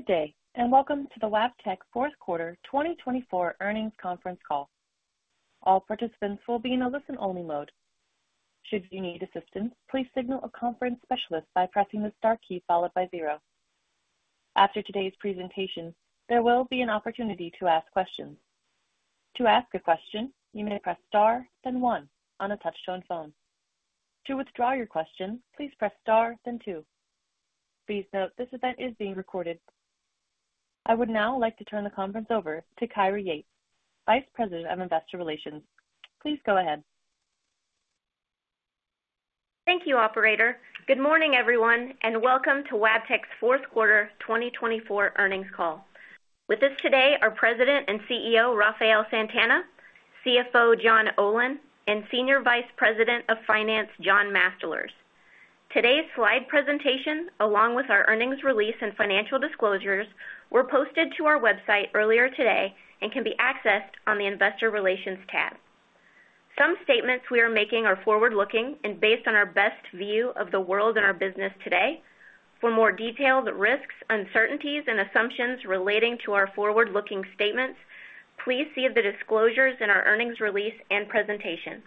Good day, and welcome to the Wabtec fourth quarter 2024 earnings conference call. All participants will be in a listen-only mode. Should you need assistance, please signal a conference specialist by pressing the star key followed by zero. After today's presentation, there will be an opportunity to ask questions. To ask a question, you may press star, then one, on a touch-tone phone. To withdraw your question, please press star, then two. Please note this event is being recorded. I would now like to turn the conference over to Kyra Yates, Vice President of Investor Relations. Please go ahead. Thank you, Operator. Good morning, everyone, and welcome to Wabtec's fourth quarter 2024 earnings call. With us today are President and CEO Rafael Santana, CFO John Olin, and Senior Vice President of Finance John Mastalerz. Today's slide presentation, along with our earnings release and financial disclosures, were posted to our website earlier today and can be accessed on the Investor Relations tab. Some statements we are making are forward-looking and based on our best view of the world and our business today. For more details, risks, uncertainties, and assumptions relating to our forward-looking statements, please see the disclosures in our earnings release and presentation.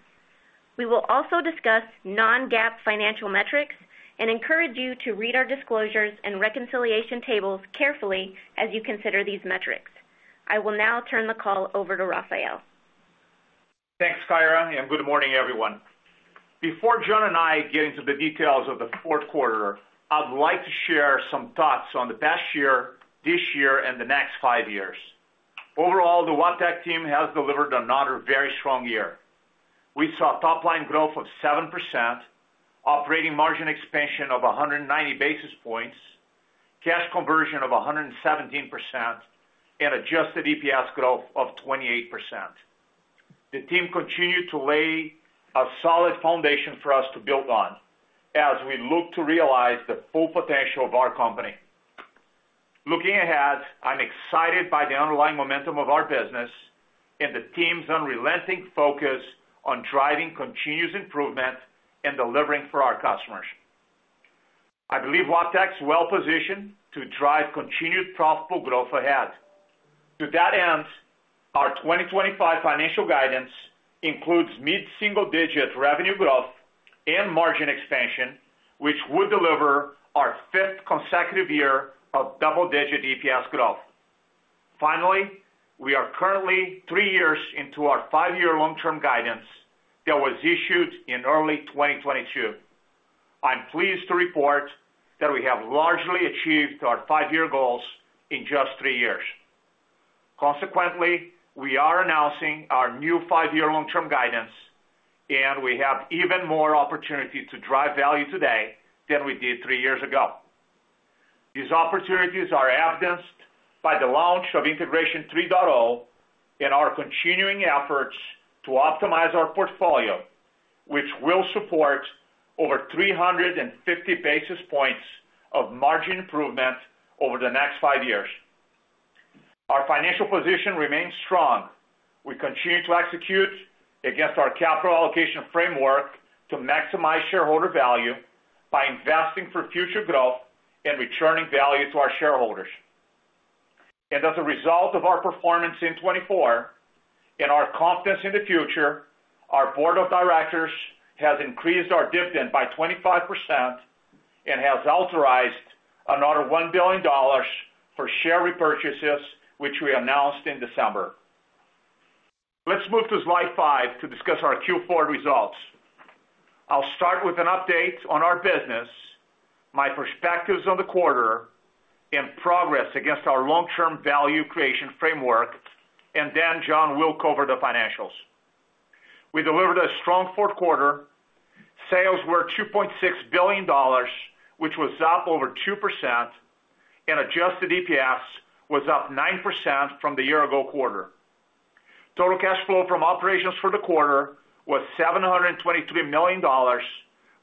We will also discuss non-GAAP financial metrics and encourage you to read our disclosures and reconciliation tables carefully as you consider these metrics. I will now turn the call over to Rafael. Thanks, Kyra, and good morning, everyone. Before John and I get into the details of the fourth quarter, I'd like to share some thoughts on the past year, this year, and the next five years. Overall, the Wabtec team has delivered another very strong year. We saw top-line growth of 7%, operating margin expansion of 190 basis points, cash conversion of 117%, and adjusted EPS growth of 28%. The team continued to lay a solid foundation for us to build on as we look to realize the full potential of our company. Looking ahead, I'm excited by the underlying momentum of our business and the team's unrelenting focus on driving continuous improvement and delivering for our customers. I believe Wabtec is well-positioned to drive continued profitable growth ahead. To that end, our 2025 financial guidance includes mid-single-digit revenue growth and margin expansion, which would deliver our fifth consecutive year of double-digit EPS growth. Finally, we are currently three years into our five-year long-term guidance that was issued in early 2022. I'm pleased to report that we have largely achieved our five-year goals in just three years. Consequently, we are announcing our new five-year long-term guidance, and we have even more opportunity to drive value today than we did three years ago. These opportunities are evidenced by the launch of Integration 3.0 and our continuing efforts to optimize our portfolio, which will support over 350 basis points of margin improvement over the next five years. Our financial position remains strong. We continue to execute against our capital allocation framework to maximize shareholder value by investing for future growth and returning value to our shareholders. As a result of our performance in 2024 and our confidence in the future, our board of directors has increased our dividend by 25% and has authorized another $1 billion for share repurchases, which we announced in December. Let's move to slide five to discuss our Q4 results. I'll start with an update on our business, my perspectives on the quarter, and progress against our long-term value creation framework, and then John will cover the financials. We delivered a strong fourth quarter. Sales were $2.6 billion, which was up over 2%, and adjusted EPS was up 9% from the year-ago quarter. Total cash flow from operations for the quarter was $723 million,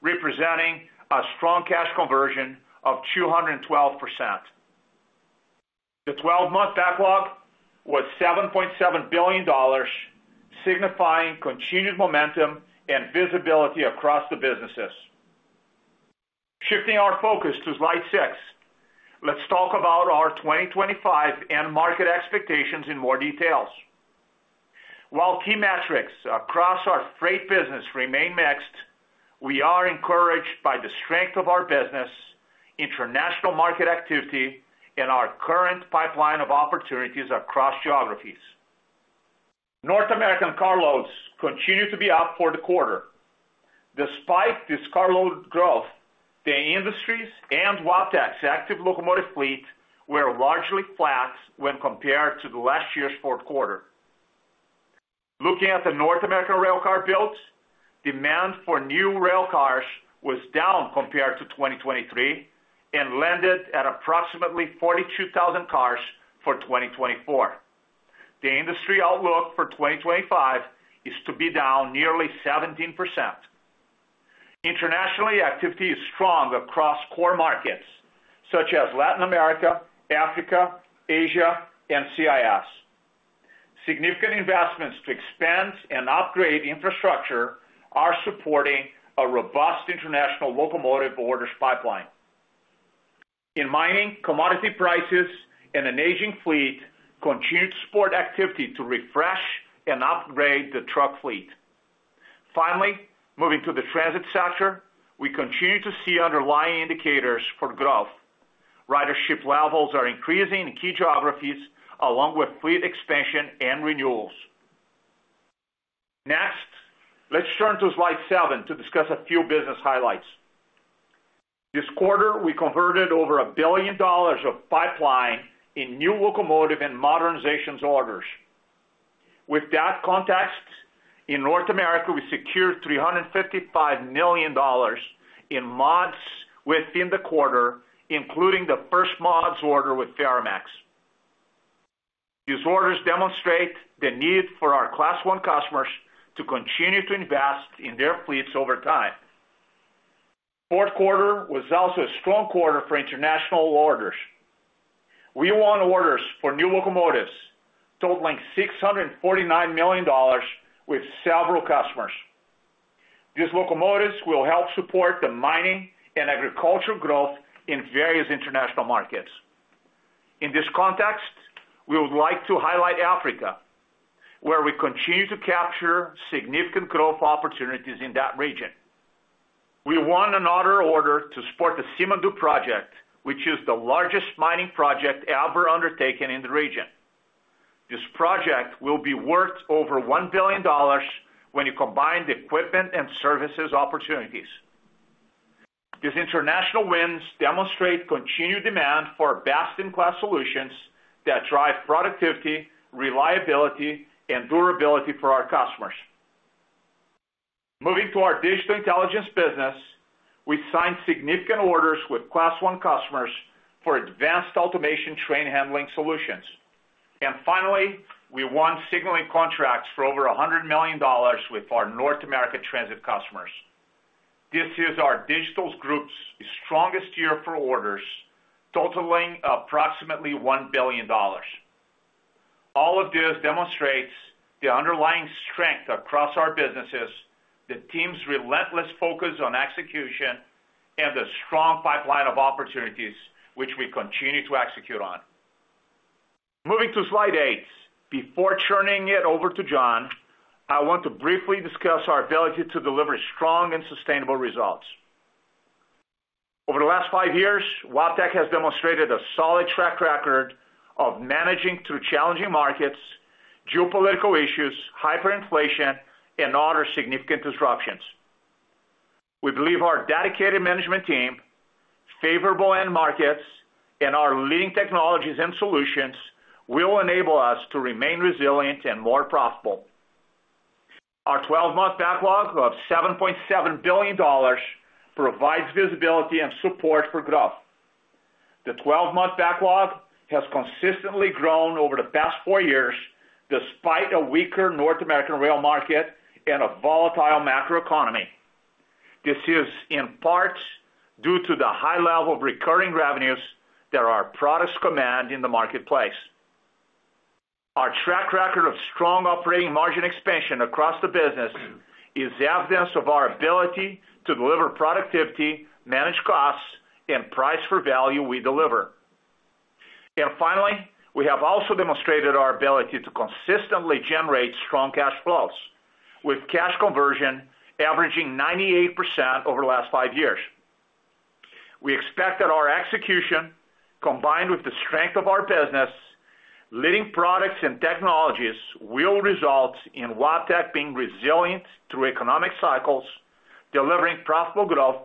representing a strong cash conversion of 212%. The 12-month backlog was $7.7 billion, signifying continued momentum and visibility across the businesses. Shifting our focus to slide six, let's talk about our 2025 and market expectations in more detail. While key metrics across our freight business remain mix, we are encouraged by the strength of our business, international market activity, and our current pipeline of opportunities across geographies. North American carloads continue to be up for the quarter. Despite this carload growth, the industries and Wabtec's active locomotive fleet were largely flat when compared to the last year's fourth quarter. Looking at the North American railcar builds, demand for new railcars was down compared to 2023 and landed at approximately 42,000 cars for 2024. The industry outlook for 2025 is to be down nearly 17%. Internationally, activity is strong across core markets such as Latin America, Africa, Asia, and CIS. Significant investments to expand and upgrade infrastructure are supporting a robust international locomotive orders pipeline. In mining, commodity prices and an aging fleet continue to support activity to refresh and upgrade the truck fleet. Finally, moving to the transit sector, we continue to see underlying indicators for growth. Ridership levels are increasing in key geographies along with fleet expansion and renewals. Next, let's turn to slide seven to discuss a few business highlights. This quarter, we converted over $1 billion of pipeline in new locomotive and modernization orders. With that context, in North America, we secured $355 million in mods within the quarter, including the first mods order with Ferromex. These orders demonstrate the need for our Class I customers to continue to invest in their fleets over time. Fourth quarter was also a strong quarter for international orders. We won orders for new locomotives totaling $649 million with several customers. These locomotives will help support the mining and agricultural growth in various international markets. In this context, we would like to highlight Africa, where we continue to capture significant growth opportunities in that region. We won another order to support the Simandou project, which is the largest mining project ever undertaken in the region. This project will be worth over $1 billion when you combine the equipment and services opportunities. These international wins demonstrate continued demand for best-in-class solutions that drive productivity, reliability, and durability for our customers. Moving to our Digital Intelligence business, we signed significant orders with Class I customers for advanced automation train handling solutions. And finally, we won signaling contracts for over $100 million with our North American transit customers. This is our digital group's strongest year for orders, totaling approximately $1 billion. All of this demonstrates the underlying strength across our businesses, the team's relentless focus on execution, and the strong pipeline of opportunities which we continue to execute on. Moving to slide eight, before turning it over to John, I want to briefly discuss our ability to deliver strong and sustainable results. Over the last five years, Wabtec has demonstrated a solid track record of managing through challenging markets, geopolitical issues, hyperinflation, and other significant disruptions. We believe our dedicated management team, favorable end markets, and our leading technologies and solutions will enable us to remain resilient and more profitable. Our 12-month backlog of $7.7 billion provides visibility and support for growth. The 12-month backlog has consistently grown over the past four years despite a weaker North American rail market and a volatile macroeconomy. This is in part due to the high level of recurring revenues that our products command in the marketplace. Our track record of strong operating margin expansion across the business is evidence of our ability to deliver productivity, manage costs, and price for value we deliver. And finally, we have also demonstrated our ability to consistently generate strong cash flows, with cash conversion averaging 98% over the last five years. We expect that our execution, combined with the strength of our business, leading products and technologies, will result in Wabtec being resilient through economic cycles, delivering profitable growth,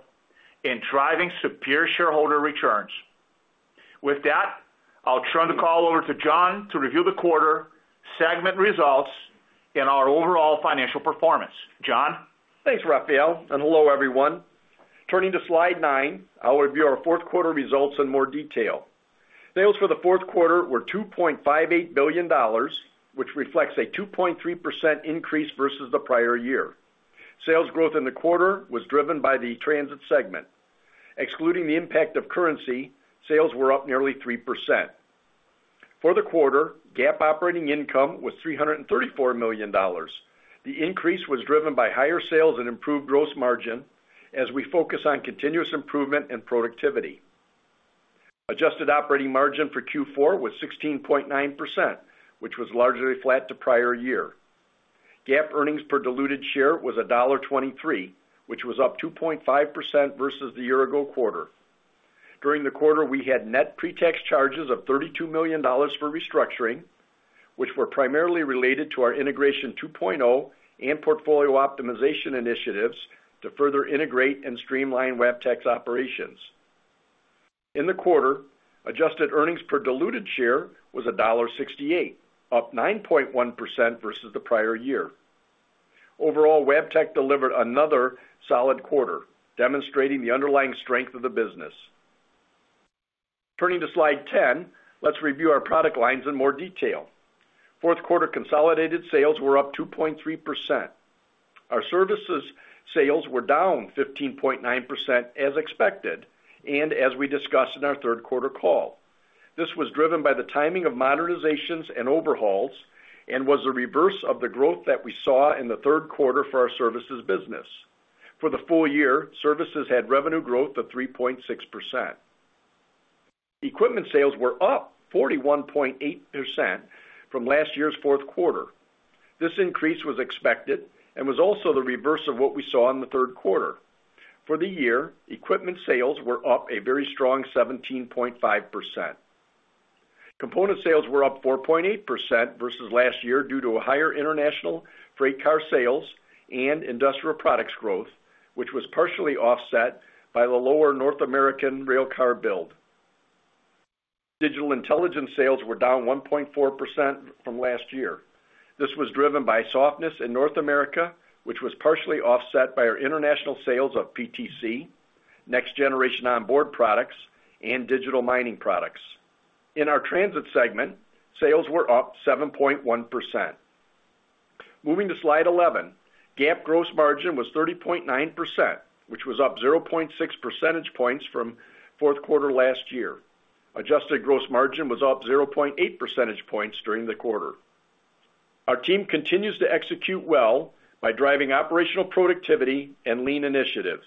and driving superior shareholder returns. With that, I'll turn the call over to John to review the quarter segment results and our overall financial performance. John? Thanks, Rafael, and hello, everyone. Turning to slide nine, I'll review our fourth quarter results in more detail. Sales for the fourth quarter were $2.58 billion, which reflects a 2.3% increase versus the prior year. Sales growth in the quarter was driven by the transit segment. Excluding the impact of currency, sales were up nearly 3%. For the quarter, GAAP operating income was $334 million. The increase was driven by higher sales and improved gross margin as we focus on continuous improvement and productivity. Adjusted operating margin for Q4 was 16.9%, which was largely flat to prior year. GAAP earnings per diluted share was $1.23, which was up 2.5% versus the year-ago quarter. During the quarter, we had net pre-tax charges of $32 million for restructuring, which were primarily related to our Integration 2.0 and portfolio optimization initiatives to further integrate and streamline Wabtec's operations. In the quarter, adjusted earnings per diluted share was $1.68, up 9.1% versus the prior year. Overall, Wabtec delivered another solid quarter, demonstrating the underlying strength of the business. Turning to slide 10, let's review our product lines in more detail. Fourth quarter consolidated sales were up 2.3%. Our services sales were down 15.9% as expected and as we discussed in our third quarter call. This was driven by the timing of modernizations and overhauls and was the reverse of the growth that we saw in the third quarter for our services business. For the full year, services had revenue growth of 3.6%. Equipment sales were up 41.8% from last year's fourth quarter. This increase was expected and was also the reverse of what we saw in the third quarter. For the year, equipment sales were up a very strong 17.5%. Component sales were up 4.8% versus last year due to higher international freight car sales and industrial products growth, which was partially offset by the lower North American railcar build. Digital Intelligence sales were down 1.4% from last year. This was driven by softness in North America, which was partially offset by our international sales of PTC, next-generation onboard products, and digital mining products. In our transit segment, sales were up 7.1%. Moving to slide 11, GAAP gross margin was 30.9%, which was up 0.6 percentage points from fourth quarter last year. Adjusted gross margin was up 0.8 percentage points during the quarter. Our team continues to execute well by driving operational productivity and Lean initiatives.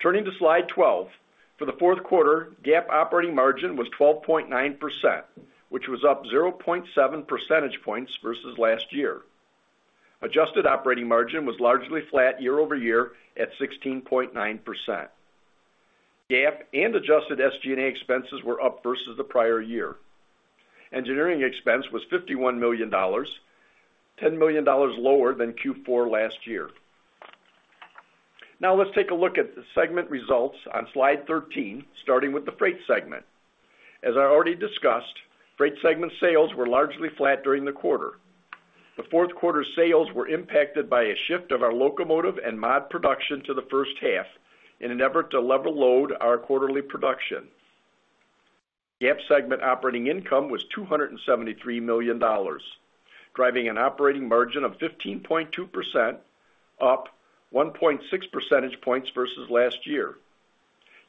Turning to slide 12, for the fourth quarter, GAAP operating margin was 12.9%, which was up 0.7 percentage points versus last year. Adjusted operating margin was largely flat year-over-year at 16.9%. GAAP and adjusted SG&A expenses were up versus the prior year. Engineering expense was $51 million, $10 million lower than Q4 last year. Now, let's take a look at the segment results on slide 13, starting with the freight segment. As I already discussed, freight segment sales were largely flat during the quarter. The fourth quarter sales were impacted by a shift of our locomotive and mod production to the first half in an effort to level load our quarterly production. GAAP segment operating income was $273 million, driving an operating margin of 15.2%, up 1.6 percentage points versus last year.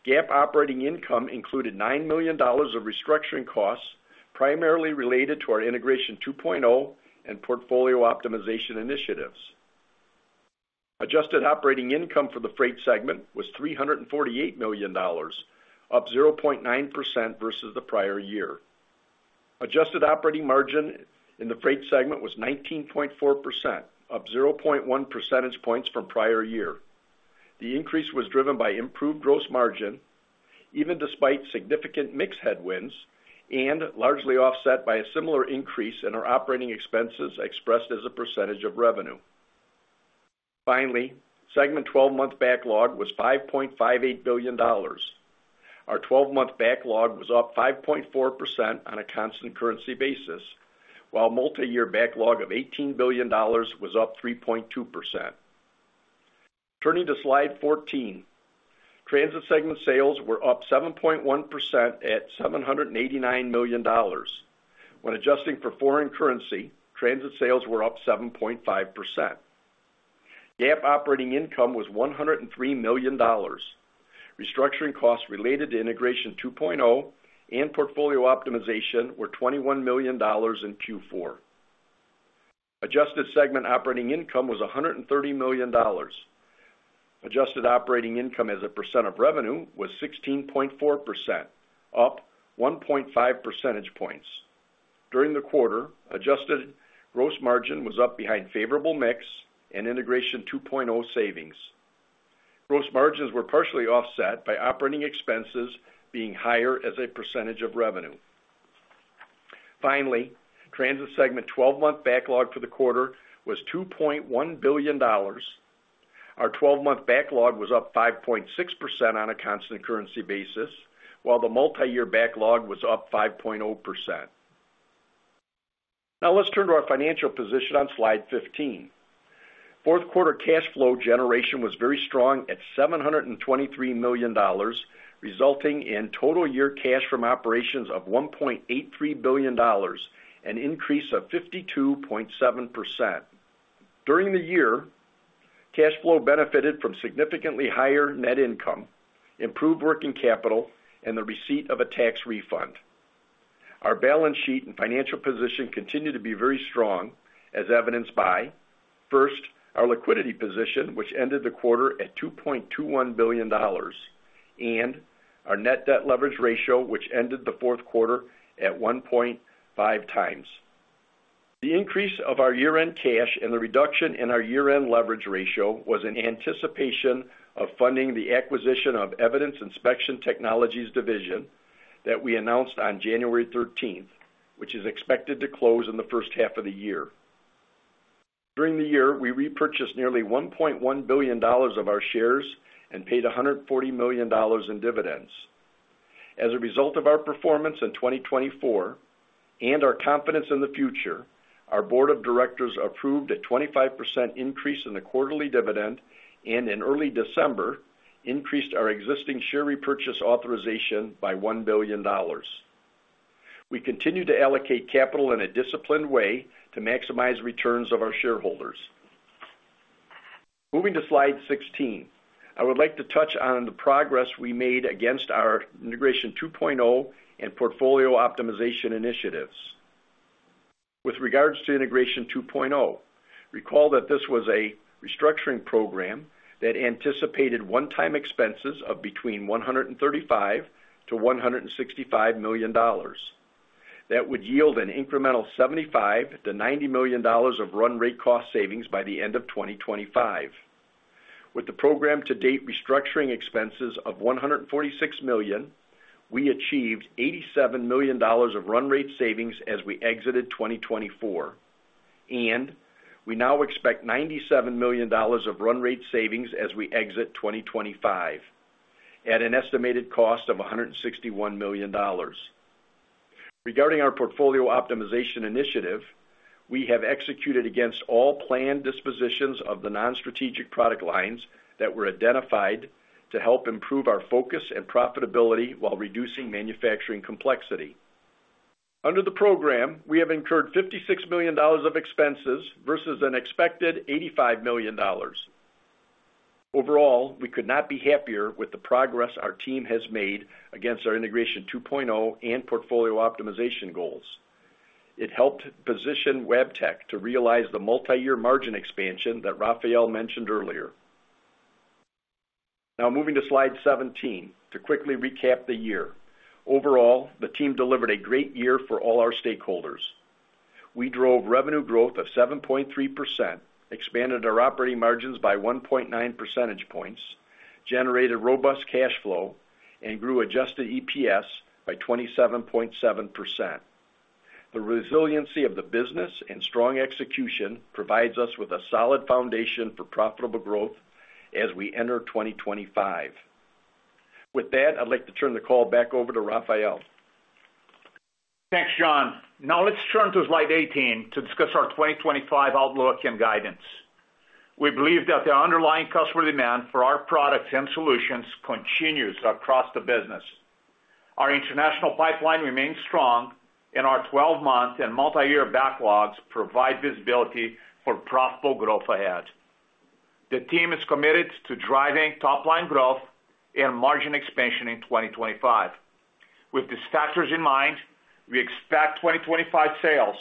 GAAP operating income included $9 million of restructuring costs primarily related to our Integration 2.0 and portfolio optimization initiatives. Adjusted operating income for the freight segment was $348 million, up 0.9% versus the prior year. Adjusted operating margin in the freight segment was 19.4%, up 0.1 percentage points from prior year. The increase was driven by improved gross margin, even despite significant mixed headwinds, and largely offset by a similar increase in our operating expenses expressed as a percentage of revenue. Finally, segment 12-month backlog was $5.58 billion. Our 12-month backlog was up 5.4% on a constant currency basis, while multi-year backlog of $18 billion was up 3.2%. Turning to slide 14, transit segment sales were up 7.1% at $789 million. When adjusting for foreign currency, transit sales were up 7.5%. GAAP operating income was $103 million. Restructuring costs related to Integration 2.0 and portfolio optimization were $21 million in Q4. Adjusted segment operating income was $130 million. Adjusted operating income as a percent of revenue was 16.4%, up 1.5 percentage points. During the quarter, adjusted gross margin was up behind favorable mix and Integration 2.0 savings. Gross margins were partially offset by operating expenses being higher as a percentage of revenue. Finally, transit segment 12-month backlog for the quarter was $2.1 billion. Our 12-month backlog was up 5.6% on a constant currency basis, while the multi-year backlog was up 5.0%. Now, let's turn to our financial position on slide 15. Fourth quarter cash flow generation was very strong at $723 million, resulting in total year cash from operations of $1.83 billion, an increase of 52.7%. During the year, cash flow benefited from significantly higher net income, improved working capital, and the receipt of a tax refund. Our balance sheet and financial position continue to be very strong, as evidenced by, first, our liquidity position, which ended the quarter at $2.21 billion, and our net debt leverage ratio, which ended the fourth quarter at 1.5x. The increase of our year-end cash and the reduction in our year-end leverage ratio was in anticipation of funding the acquisition of Evident Inspection Technologies Division that we announced on January 13, which is expected to close in the first half of the year. During the year, we repurchased nearly $1.1 billion of our shares and paid $140 million in dividends. As a result of our performance in 2024 and our confidence in the future, our board of directors approved a 25% increase in the quarterly dividend and, in early December, increased our existing share repurchase authorization by $1 billion. We continue to allocate capital in a disciplined way to maximize returns of our shareholders. Moving to slide 16, I would like to touch on the progress we made against our Integration 2.0 and portfolio optimization initiatives. With regards to Integration 2.0, recall that this was a restructuring program that anticipated one-time expenses of between $135 million-$165 million that would yield an incremental $75 million-$90 million of run rate cost savings by the end of 2025. With the program-to-date restructuring expenses of $146 million, we achieved $87 million of run rate savings as we exited 2024, and we now expect $97 million of run rate savings as we exit 2025 at an estimated cost of $161 million. Regarding our portfolio optimization initiative, we have executed against all planned dispositions of the non-strategic product lines that were identified to help improve our focus and profitability while reducing manufacturing complexity. Under the program, we have incurred $56 million of expenses versus an expected $85 million. Overall, we could not be happier with the progress our team has made against our Integration 2.0 and portfolio optimization goals. It helped position Wabtec to realize the multi-year margin expansion that Rafael mentioned earlier. Now, moving to slide 17 to quickly recap the year. Overall, the team delivered a great year for all our stakeholders. We drove revenue growth of 7.3%, expanded our operating margins by 1.9 percentage points, generated robust cash flow, and grew adjusted EPS by 27.7%. The resiliency of the business and strong execution provides us with a solid foundation for profitable growth as we enter 2025. With that, I'd like to turn the call back over to Rafael. Thanks, John. Now, let's turn to slide 18 to discuss our 2025 outlook and guidance. We believe that the underlying customer demand for our products and solutions continues across the business. Our international pipeline remains strong, and our 12-month and multi-year backlogs provide visibility for profitable growth ahead. The team is committed to driving top-line growth and margin expansion in 2025. With these factors in mind, we expect 2025 sales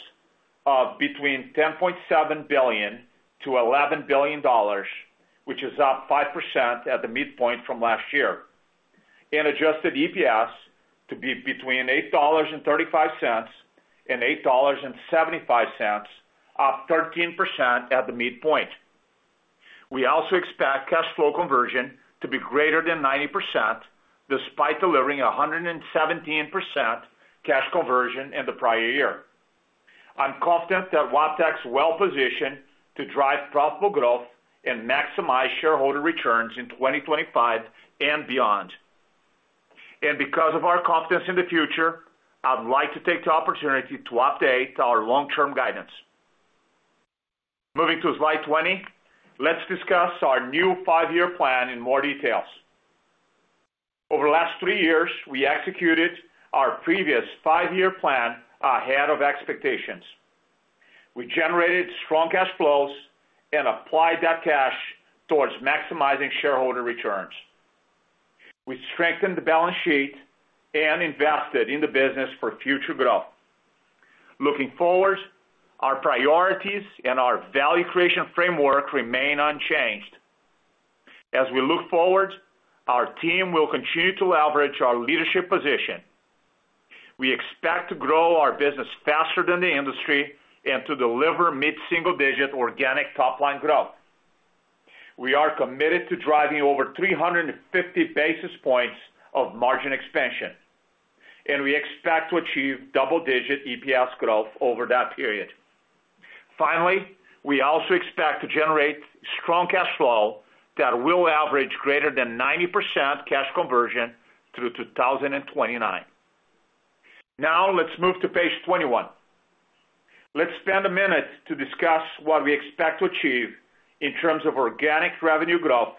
of between $10.7 billion-$11 billion, which is up 5% at the midpoint from last year, and adjusted EPS to be between $8.35 and $8.75, up 13% at the midpoint. We also expect cash flow conversion to be greater than 90% despite delivering 117% cash conversion in the prior year. I'm confident that Wabtec is well-positioned to drive profitable growth and maximize shareholder returns in 2025 and beyond. Because of our confidence in the future, I'd like to take the opportunity to update our long-term guidance. Moving to slide 20, let's discuss our new five-year plan in more detail. Over the last three years, we executed our previous five-year plan ahead of expectations. We generated strong cash flows and applied that cash towards maximizing shareholder returns. We strengthened the balance sheet and invested in the business for future growth. Looking forward, our priorities and our value creation framework remain unchanged. As we look forward, our team will continue to leverage our leadership position. We expect to grow our business faster than the industry and to deliver mid-single-digit organic top-line growth. We are committed to driving over 350 basis points of margin expansion, and we expect to achieve double-digit EPS growth over that period. Finally, we also expect to generate strong cash flow that will average greater than 90% cash conversion through 2029. Now, let's move to page 21. Let's spend a minute to discuss what we expect to achieve in terms of organic revenue growth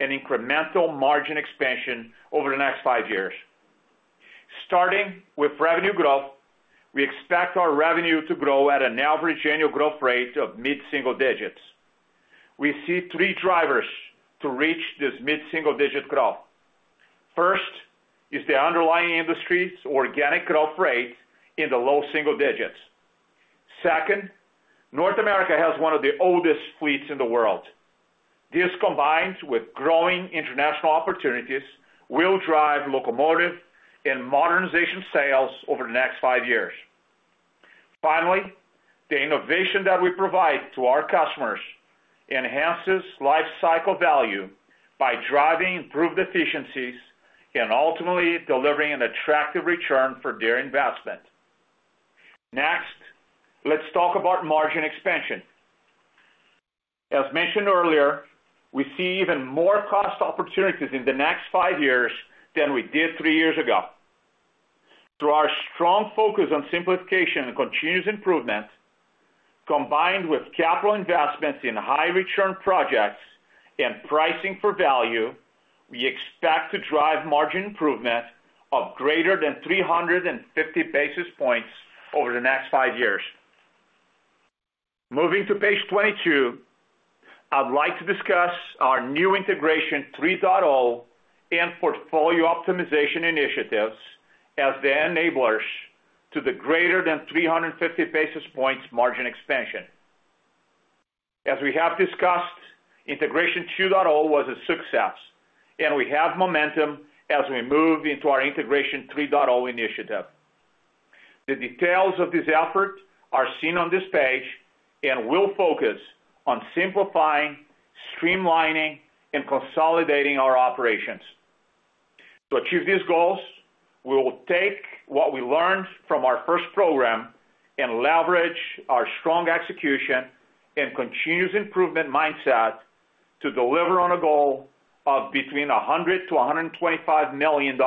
and incremental margin expansion over the next five years. Starting with revenue growth, we expect our revenue to grow at an average annual growth rate of mid-single digits. We see three drivers to reach this mid-single-digit growth. First is the underlying industry's organic growth rate in the low single digits. Second, North America has one of the oldest fleets in the world. This, combined with growing international opportunities, will drive locomotive and modernization sales over the next five years. Finally, the innovation that we provide to our customers enhances life cycle value by driving improved efficiencies and ultimately delivering an attractive return for their investment. Next, let's talk about margin expansion. As mentioned earlier, we see even more cost opportunities in the next five years than we did three years ago. Through our strong focus on simplification and continuous improvement, combined with capital investments in high-return projects and pricing for value, we expect to drive margin improvement of greater than 350 basis points over the next five years. Moving to page 22, I'd like to discuss our new Integration 3.0 and portfolio optimization initiatives as the enablers to the greater than 350 basis points margin expansion. As we have discussed, Integration 2.0 was a success, and we have momentum as we move into our Integration 3.0 initiative. The details of this effort are seen on this page and will focus on simplifying, streamlining, and consolidating our operations. To achieve these goals, we will take what we learned from our first program and leverage our strong execution and continuous improvement mindset to deliver on a goal of between $100 million-$125 million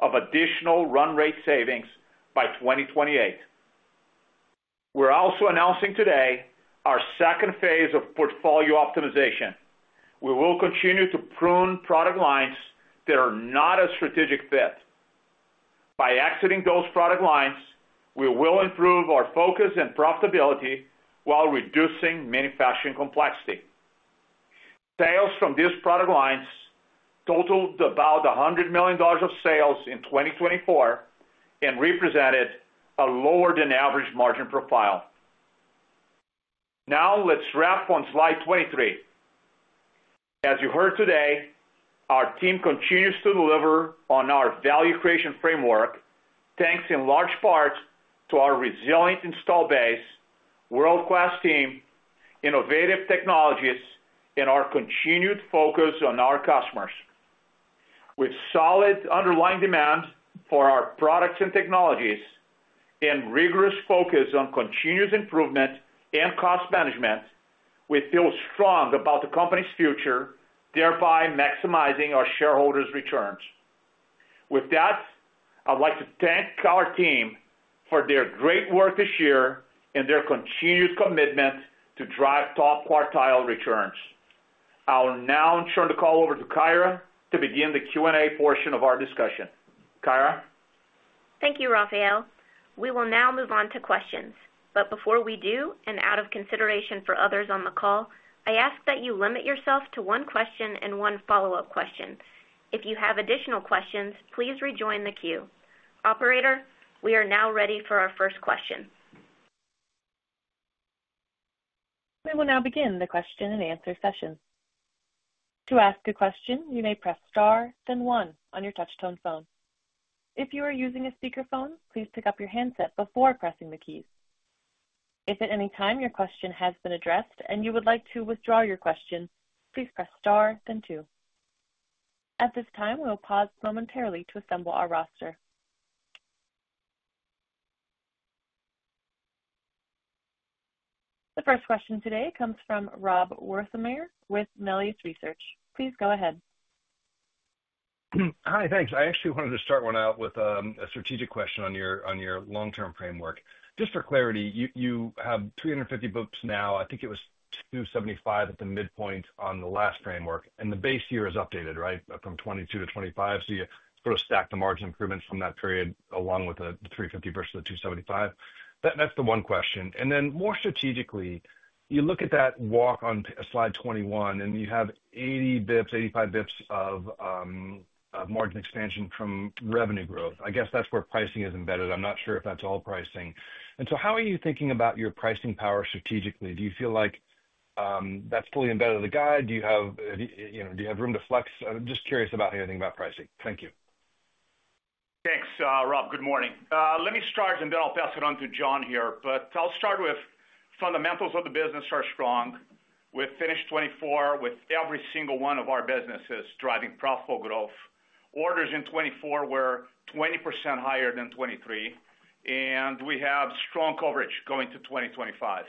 of additional run rate savings by 2028. We're also announcing today our second phase of portfolio optimization. We will continue to prune product lines that are not a strategic fit. By exiting those product lines, we will improve our focus and profitability while reducing manufacturing complexity. Sales from these product lines totaled about $100 million of sales in 2024 and represented a lower-than-average margin profile. Now, let's wrap on slide 23. As you heard today, our team continues to deliver on our value creation framework, thanks in large part to our resilient install base, world-class team, innovative technologies, and our continued focus on our customers. With solid underlying demand for our products and technologies and rigorous focus on continuous improvement and cost management, we feel strong about the company's future, thereby maximizing our shareholders' returns. With that, I'd like to thank our team for their great work this year and their continued commitment to drive top quartile returns. I'll now turn the call over to Kyra to begin the Q&A portion of our discussion. Kyra? Thank you, Rafael. We will now move on to questions. But before we do, and out of consideration for others on the call, I ask that you limit yourself to one question and one follow-up question. If you have additional questions, please rejoin the queue. Operator, we are now ready for our first question. We will now begin the question-and-answer session. To ask a question, you may press star, then one on your touch-tone phone. If you are using a speakerphone, please pick up your handset before pressing the keys. If at any time your question has been addressed and you would like to withdraw your question, please press star, then two. At this time, we will pause momentarily to assemble our roster. The first question today comes from Rob Wertheimer with Melius Research. Please go ahead. Hi, thanks. I actually wanted to start one out with a strategic question on your long-term framework. Just for clarity, you have 350 books now. I think it was 275 at the midpoint on the last framework. And the base year is updated, right, from 2022 to 2025? So you sort of stack the margin improvements from that period along with the 350 versus the 275. That's the one question. And then more strategically, you look at that walk on slide 21, and you have 80 basis points, 85 basis points of margin expansion from revenue growth. I guess that's where pricing is embedded. I'm not sure if that's all pricing. And so how are you thinking about your pricing power strategically? Do you feel like that's fully embedded in the guide? Do you have room to flex? I'm just curious about how you think about pricing. Thank you. Thanks, Rob. Good morning. Let me start, and then I'll pass it on to John here. But I'll start with fundamentals of the business are strong. We've finished 2024 with every single one of our businesses driving profitable growth. Orders in 2024 were 20% higher than 2023, and we have strong coverage going to 2025.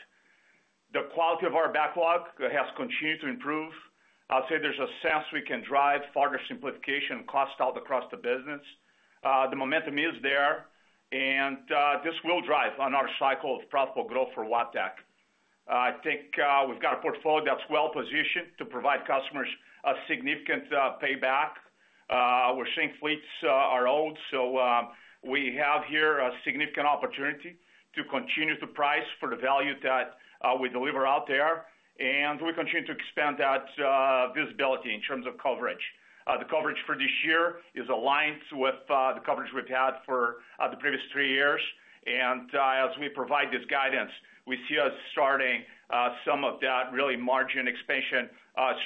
The quality of our backlog has continued to improve. I'd say there's a sense we can drive further simplification and cost-out across the business. The momentum is there, and this will drive another cycle of profitable growth for Wabtec. I think we've got a portfolio that's well-positioned to provide customers a significant payback. We're seeing fleets are old, so we have here a significant opportunity to continue to price for the value that we deliver out there, and we continue to expand that visibility in terms of coverage. The coverage for this year is aligned with the coverage we've had for the previous three years. And as we provide this guidance, we see us starting some of that really margin expansion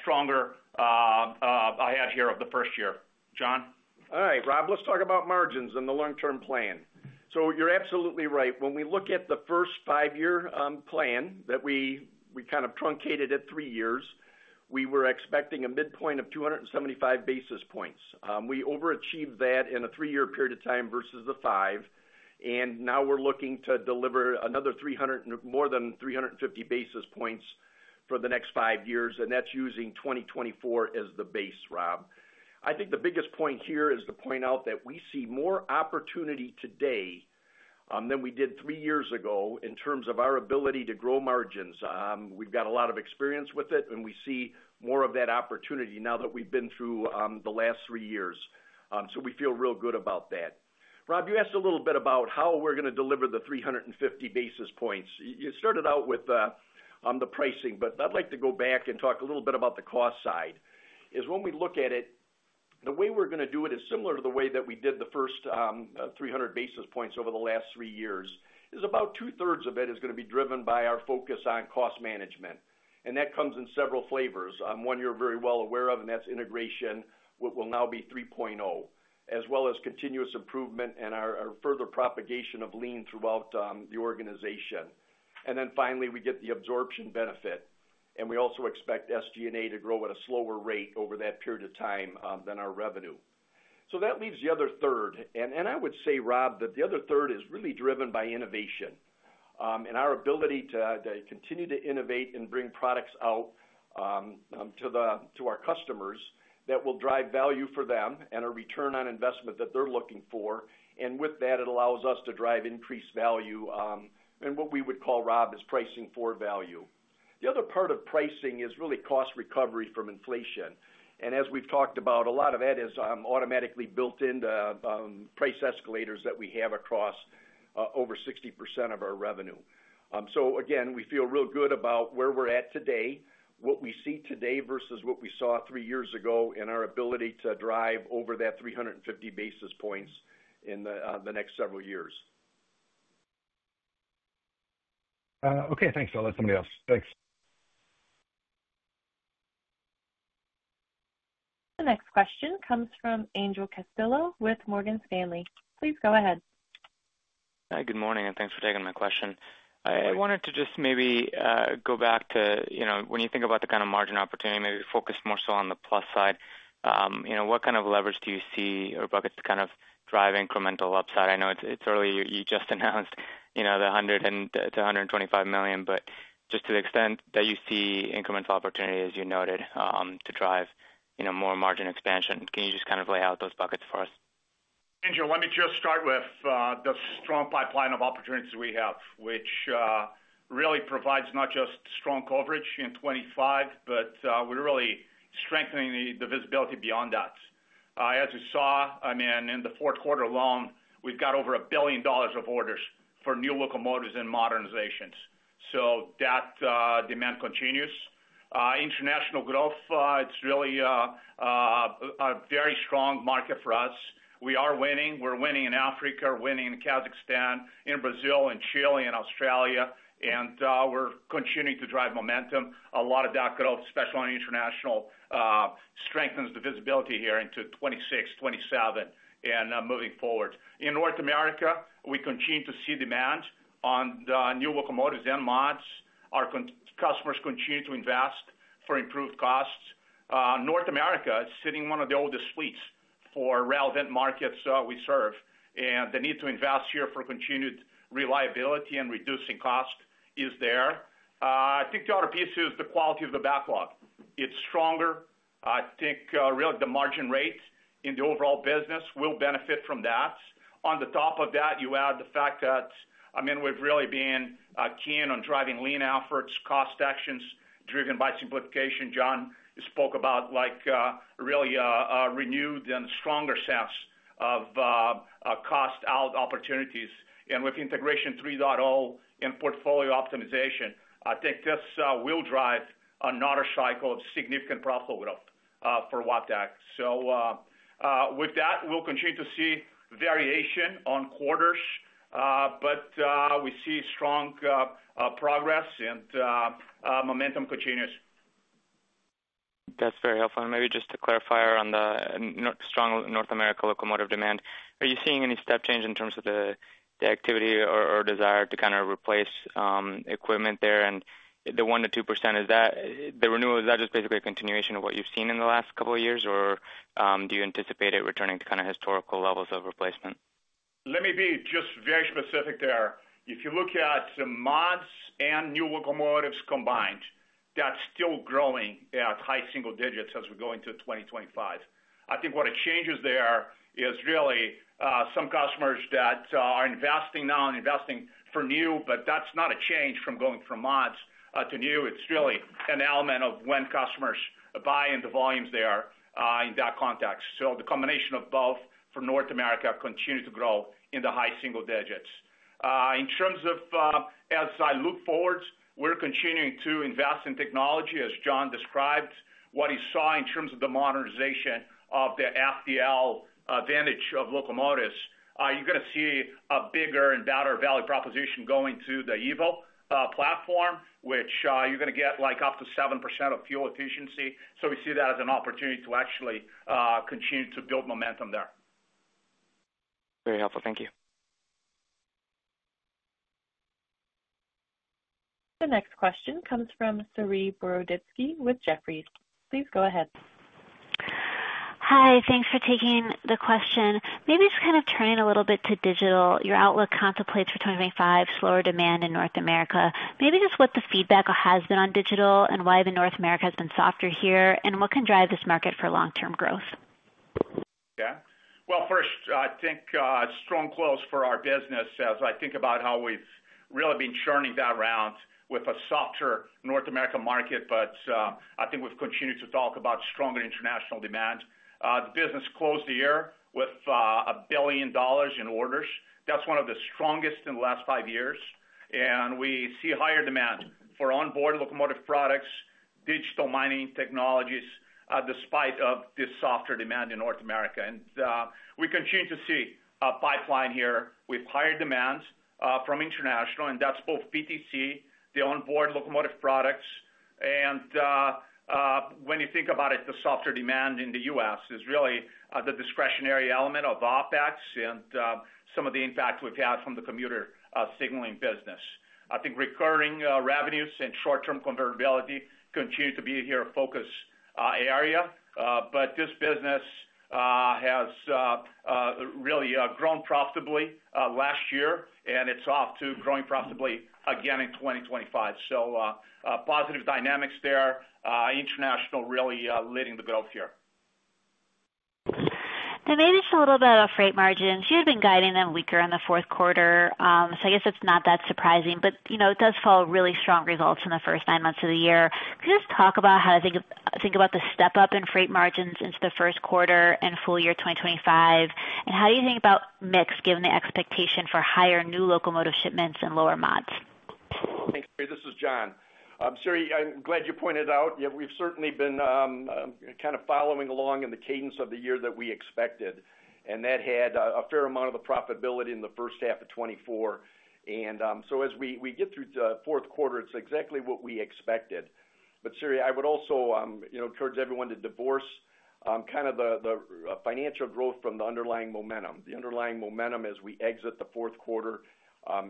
stronger ahead here of the first year. John? All right, Rob, let's talk about margins and the long-term plan. So you're absolutely right. When we look at the first five-year plan that we kind of truncated at three years, we were expecting a midpoint of 275 basis points. We overachieved that in a three-year period of time versus the five. And now we're looking to deliver another more than 350 basis points for the next five years, and that's using 2024 as the base, Rob. I think the biggest point here is to point out that we see more opportunity today than we did three years ago in terms of our ability to grow margins. We've got a lot of experience with it, and we see more of that opportunity now that we've been through the last three years. So we feel real good about that. Rob, you asked a little bit about how we're going to deliver the 350 basis points. You started out with the pricing, but I'd like to go back and talk a little bit about the cost side. When we look at it, the way we're going to do it is similar to the way that we did the first 300 basis points over the last three years. About 2/3 of it is going to be driven by our focus on cost management. And that comes in several flavors. One you're very well aware of, and that's Integration, what will now be 3.0, as well as continuous improvement and our further propagation of Lean throughout the organization. And then finally, we get the absorption benefit. And we also expect SG&A to grow at a slower rate over that period of time than our revenue. So that leaves the other third. And I would say, Rob, that the other third is really driven by innovation and our ability to continue to innovate and bring products out to our customers that will drive value for them and a return on investment that they're looking for. And with that, it allows us to drive increased value and what we would call, Rob, is pricing for value. The other part of pricing is really cost recovery from inflation. And as we've talked about, a lot of that is automatically built-in price escalators that we have across over 60% of our revenue. Again, we feel real good about where we're at today, what we see today versus what we saw three years ago, and our ability to drive over that 350 basis points in the next several years. Okay, thanks. I'll let somebody else. Thanks. The next question comes from Angel Castillo with Morgan Stanley. Please go ahead. Hi, good morning, and thanks for taking my question. I wanted to just maybe go back to when you think about the kind of margin opportunity, maybe focus more so on the plus side. What kind of leverage do you see or buckets to kind of drive incremental upside? I know it's early. You just announced the $100 million-$125 million, but just to the extent that you see incremental opportunity, as you noted, to drive more margin expansion. Can you just kind of lay out those buckets for us? Angel, let me just start with the strong pipeline of opportunities we have, which really provides not just strong coverage in 2025, but we're really strengthening the visibility beyond that. As you saw, I mean, in the fourth quarter alone, we've got over $1 billion of orders for new locomotives and modernizations. So that demand continues. International growth, it's really a very strong market for us. We are winning. We're winning in Africa, winning in Kazakhstan, in Brazil, in Chile, in Australia. And we're continuing to drive momentum. A lot of that growth, especially on international, strengthens the visibility here into 2026, 2027, and moving forward. In North America, we continue to see demand on new locomotives and mods. Our customers continue to invest for improved costs. North America is sitting on one of the oldest fleets for relevant markets we serve. The need to invest here for continued reliability and reducing cost is there. I think the other piece is the quality of the backlog. It's stronger. I think really the margin rate in the overall business will benefit from that. On top of that, you add the fact that, I mean, we've really been keen on driving lean efforts, cost actions driven by simplification. John spoke about really a renewed and stronger sense of cost out opportunities. With Integration 3.0 and portfolio optimization, I think this will drive another cycle of significant profitable growth for Wabtec. With that, we'll continue to see variation on quarters, but we see strong progress and momentum continues. That's very helpful. And maybe just to clarify on the strong North America locomotive demand, are you seeing any step change in terms of the activity or desire to kind of replace equipment there? And the 1%-2%, is that the renewal? Is that just basically a continuation of what you've seen in the last couple of years, or do you anticipate it returning to kind of historical levels of replacement? Let me be just very specific there. If you look at the mods and new locomotives combined, that's still growing at high single digits as we go into 2025. I think what it changes there is really some customers that are investing now and investing for new, but that's not a change from going from mods to new. It's really an element of when customers buy and the volumes there in that context. So the combination of both for North America continues to grow in the high single digits. In terms of as I look forward, we're continuing to invest in technology, as John described. What he saw in terms of the modernization of the FDL Advantage of locomotives, you're going to see a bigger and better value proposition going to the EVO platform, which you're going to get like up to 7% of fuel efficiency. So we see that as an opportunity to actually continue to build momentum there. Very helpful. Thank you. The next question comes from Saree Boroditsky with Jefferies. Please go ahead. Hi, thanks for taking the question. Maybe just kind of turning a little bit to digital. Your outlook contemplates for 2025, slower demand in North America. Maybe just what the feedback has been on digital and why North America has been softer here, and what can drive this market for long-term growth? Yeah. Well, first, I think strong growth for our business as I think about how we've really been turning that around with a softer North America market, but I think we've continued to talk about stronger international demand. The business closed the year with $1 billion in orders. That's one of the strongest in the last five years. We see higher demand for onboard locomotive products, digital mining technologies, despite this softer demand in North America. We continue to see a pipeline here with higher demands from international, and that's both Wabtec, the onboard locomotive products. When you think about it, the softer demand in the U.S. is really the discretionary element of OpEx and some of the impact we've had from the commuter signaling business. I think recurring revenues and short-term convertibility continue to be a focus area here. But this business has really grown profitably last year, and it's off to growing profitably again in 2025. So positive dynamics there, international really leading the growth here. They may be just a little bit out of freight margins. You had been guiding them weaker in the fourth quarter, so I guess it's not that surprising. But it does follow really strong results in the first nine months of the year. Could you just talk about how to think about the step-up in freight margins into the first quarter and full year 2025? And how do you think about mix given the expectation for higher new locomotive shipments and lower mods? Thanks, Saree. This is John. Saree, I'm glad you pointed out. We've certainly been kind of following along in the cadence of the year that we expected, and that had a fair amount of the profitability in the first half of 2024. So as we get through the fourth quarter, it's exactly what we expected. Saree, I would also encourage everyone to divorce kind of the financial growth from the underlying momentum. The underlying momentum as we exit the fourth quarter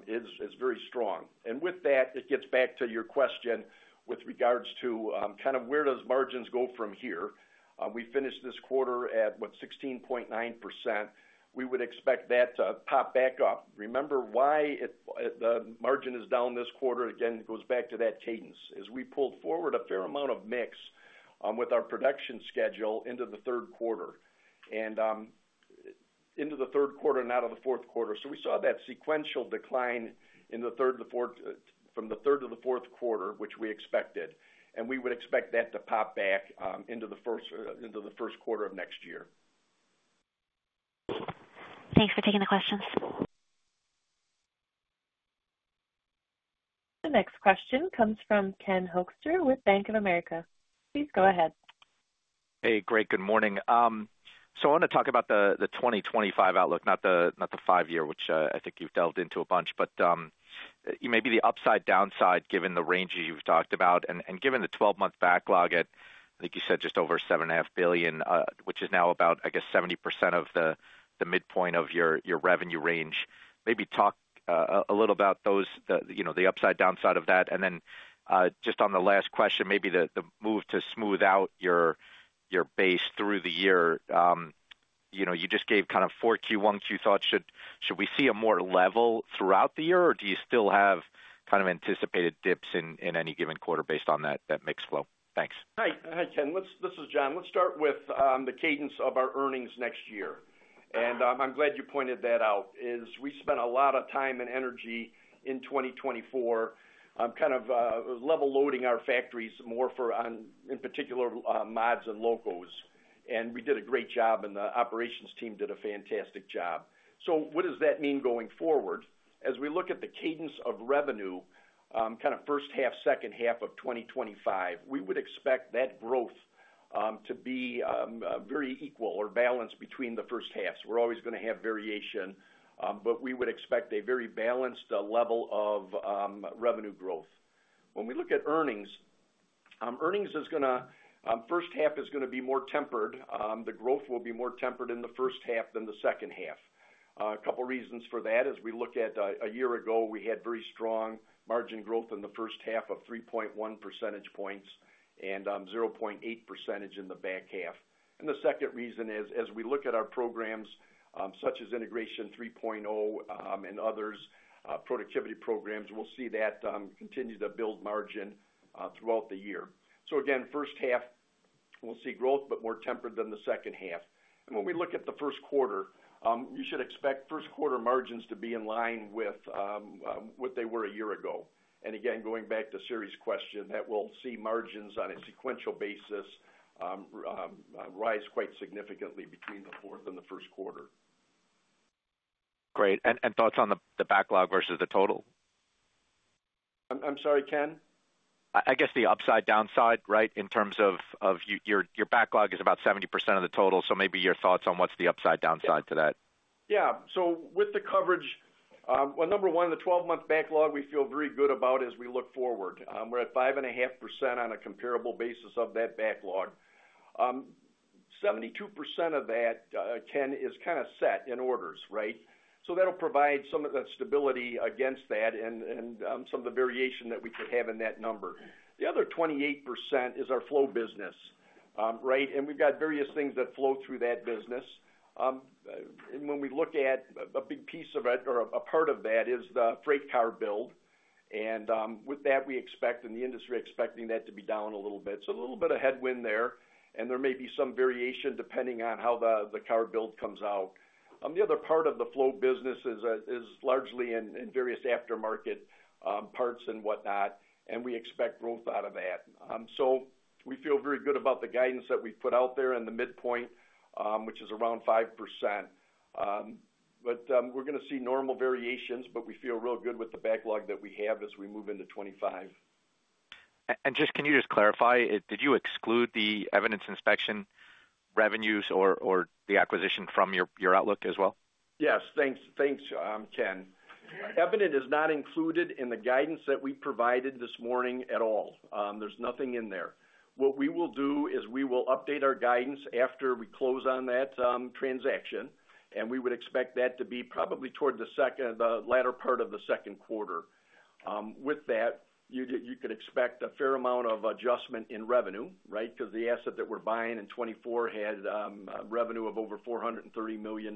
is very strong. With that, it gets back to your question with regards to kind of where does margins go from here. We finished this quarter at, what, 16.9%. We would expect that to pop back up. Remember why the margin is down this quarter? Again, it goes back to that cadence. As we pulled forward a fair amount of mix with our production schedule into the third quarter and out of the fourth quarter. So we saw that sequential decline in the third to the fourth quarter, which we expected. And we would expect that to pop back into the first quarter of next year. Thanks for taking the questions. The next question comes from Ken Hoexter with Bank of America. Please go ahead. Hey, great. Good morning. So I want to talk about the 2025 outlook, not the five-year, which I think you've delved into a bunch. But maybe the upside downside, given the range you've talked about and given the 12-month backlog at, I think you said just over $7.5 billion, which is now about, I guess, 70% of the midpoint of your revenue range. Maybe talk a little about the upside downside of that. And then just on the last question, maybe the move to smooth out your base through the year. You just gave kind of 4Q, 1Q thoughts. Should we see a more level throughout the year, or do you still have kind of anticipated dips in any given quarter based on that mix flow? Thanks. Hi, Ken. This is John. Let's start with the cadence of our earnings next year, and I'm glad you pointed that out, as we spent a lot of time and energy in 2024 kind of level loading our factories more for, in particular, mods and locos. And we did a great job, and the operations team did a fantastic job, so what does that mean going forward? As we look at the cadence of revenue, kind of first half, second half of 2025, we would expect that growth to be very equal or balanced between the first halves. We're always going to have variation, but we would expect a very balanced level of revenue growth. When we look at earnings, the first half is going to be more tempered. The growth will be more tempered in the first half than the second half. A couple of reasons for that is we look at a year ago. We had very strong margin growth in the first half of 3.1 percentage points and 0.8 percentage points in the back half. The second reason is, as we look at our programs such as Integration 3.0 and others, productivity programs, we'll see that continue to build margin throughout the year. First half, we'll see growth, but more tempered than the second half. When we look at the first quarter, you should expect first quarter margins to be in line with what they were a year ago. Going back to Saree's question, we'll see margins on a sequential basis rise quite significantly between the fourth and the first quarter. Great. And thoughts on the backlog versus the total? I'm sorry, Ken? I guess the upside downside, right, in terms of your backlog is about 70% of the total. So maybe your thoughts on what's the upside downside to that? Yeah. So with the coverage, well, number one, the 12-month backlog we feel very good about as we look forward. We're at 5.5% on a comparable basis of that backlog. 72% of that, Ken, is kind of set in orders, right? So that'll provide some of that stability against that and some of the variation that we could have in that number. The other 28% is our flow business, right? And we've got various things that flow through that business. And when we look at a big piece of it or a part of that is the freight car build. And with that, we expect in the industry expecting that to be down a little bit. So a little bit of headwind there. And there may be some variation depending on how the car build comes out. The other part of the flow business is largely in various aftermarket parts and whatnot, and we expect growth out of that. So we feel very good about the guidance that we put out there in the midpoint, which is around 5%. But we're going to see normal variations, but we feel real good with the backlog that we have as we move into 2025. Just can you just clarify, did you exclude the Evident inspection revenues or the acquisition from your outlook as well? Yes. Thanks, Ken. Evident is not included in the guidance that we provided this morning at all. There's nothing in there. What we will do is we will update our guidance after we close on that transaction, and we would expect that to be probably toward the latter part of the second quarter. With that, you could expect a fair amount of adjustment in revenue, right? Because the asset that we're buying in 2024 had revenue of over $430 million.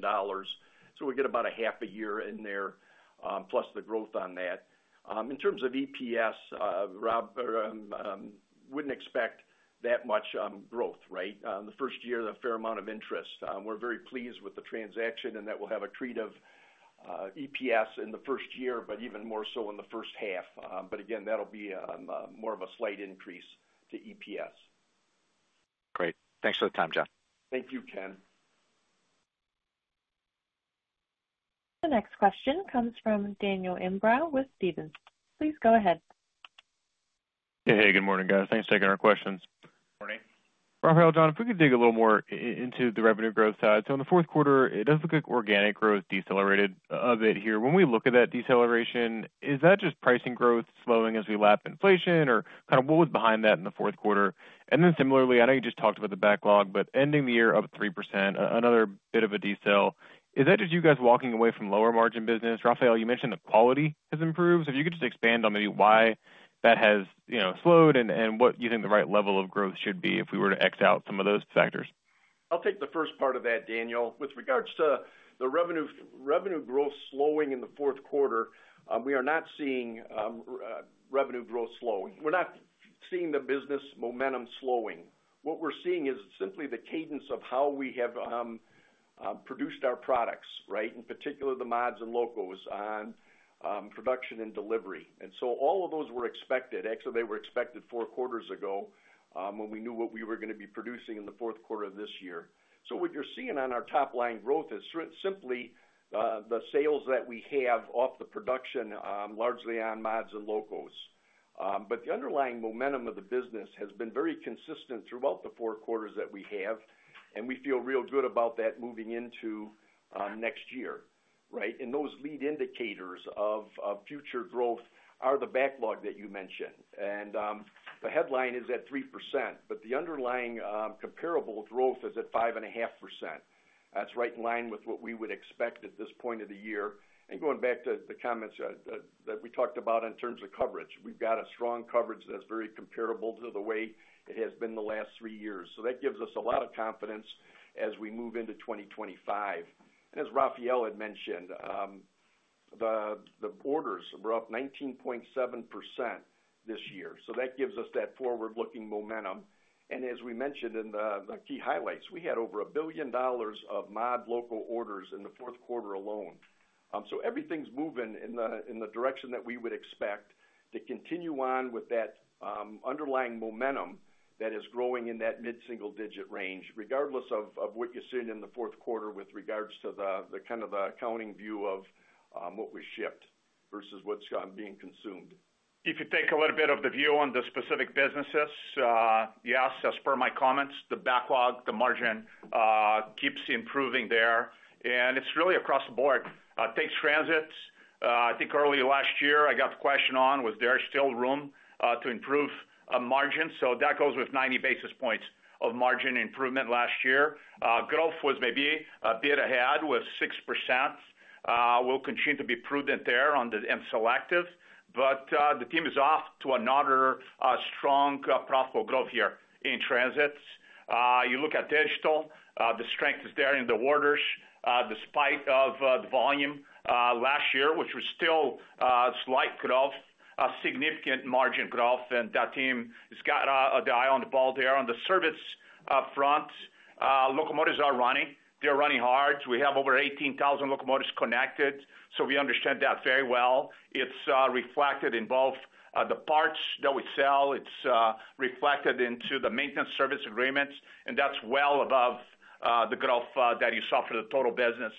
So we get about a half a year in there, plus the growth on that. In terms of EPS, Rob, wouldn't expect that much growth, right? The first year, a fair amount of interest. We're very pleased with the transaction and that we'll have accretive EPS in the first year, but even more so in the first half. But again, that'll be more of a slight increase to EPS. Great. Thanks for the time, John. Thank you, Ken. The next question comes from Daniel Imbro with Stephens. Please go ahead. Hey, hey. Good morning, guys. Thanks for taking our questions. Morning. Rafael, John, if we could dig a little more into the revenue growth side. So in the fourth quarter, it does look like organic growth decelerated a bit here. When we look at that deceleration, is that just pricing growth slowing as we lap inflation, or kind of what was behind that in the fourth quarter? And then similarly, I know you just talked about the backlog, but ending the year up 3%, another bit of a decel. Is that just you guys walking away from lower margin business? Rafael, you mentioned the quality has improved. So if you could just expand on maybe why that has slowed and what you think the right level of growth should be if we were to X out some of those factors. I'll take the first part of that, Daniel. With regards to the revenue growth slowing in the fourth quarter, we are not seeing revenue growth slowing. We're not seeing the business momentum slowing. What we're seeing is simply the cadence of how we have produced our products, right? In particular, the mods and locos on production and delivery. And so all of those were expected. Actually, they were expected four quarters ago when we knew what we were going to be producing in the fourth quarter of this year. So what you're seeing on our top line growth is simply the sales that we have off the production, largely on mods and locos. But the underlying momentum of the business has been very consistent throughout the four quarters that we have, and we feel real good about that moving into next year, right? Those lead indicators of future growth are the backlog that you mentioned. The headline is at 3%, but the underlying comparable growth is at 5.5%. That's right in line with what we would expect at this point of the year. Going back to the comments that we talked about in terms of coverage, we've got a strong coverage that's very comparable to the way it has been the last three years. That gives us a lot of confidence as we move into 2025. As Rafael had mentioned, the orders were up 19.7% this year. That gives us that forward-looking momentum. As we mentioned in the key highlights, we had over $1 billion of mod loco orders in the fourth quarter alone. Everything's moving in the direction that we would expect to continue on with that underlying momentum that is growing in that mid-single digit range, regardless of what you're seeing in the fourth quarter with regards to the kind of the accounting view of what was shipped versus what's being consumed. If you take a little bit of the view on the specific businesses, yes, as per my comments, the backlog, the margin keeps improving there. And it's really across the board. Thanks, Transits. I think early last year, I got the question on, was there still room to improve margin? That goes with 90 basis points of margin improvement last year. Growth was maybe a bit ahead with 6%. We'll continue to be prudent there and selective. But the team is off to another strong profitable growth here in Transits. You look at digital, the strength is there in the orders despite of the volume last year, which was still slight growth, significant margin growth, and that team has got the eye on the ball there on the service front. Locomotives are running. They're running hard. We have over 18,000 locomotives connected, so we understand that very well. It's reflected in both the parts that we sell. It's reflected into the maintenance service agreements, and that's well above the growth that you saw for the total business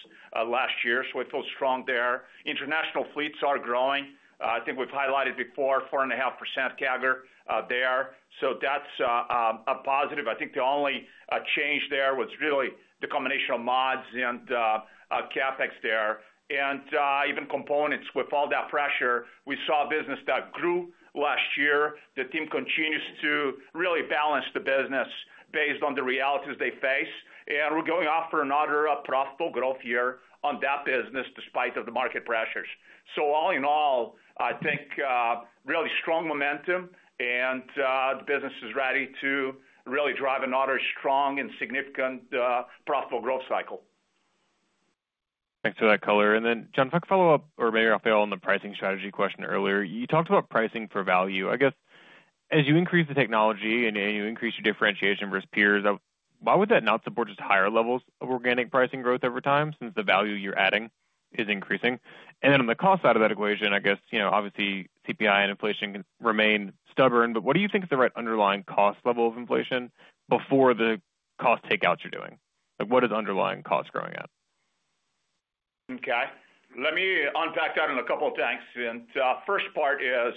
last year, so it feels strong there. International fleets are growing. I think we've highlighted before, 4.5% CAGR there, so that's a positive. I think the only change there was really the combination of mods and CapEx there, and even components, with all that pressure, we saw business that grew last year. The team continues to really balance the business based on the realities they face. And we're going off for another profitable growth year on that business despite of the market pressures. So all in all, I think really strong momentum, and the business is ready to really drive another strong and significant profitable growth cycle. Thanks for the color. Then, John, if I could follow up, or maybe Rafael, on the pricing strategy question earlier, you talked about pricing for value. I guess as you increase the technology and you increase your differentiation versus peers, why would that not support just higher levels of organic pricing growth over time since the value you're adding is increasing? And then on the cost side of that equation, I guess obviously CPI and inflation can remain stubborn, but what do you think is the right underlying cost level of inflation before the cost takeouts you're doing? What is underlying cost growing at? Okay. Let me unpack that in a couple of things. And first part is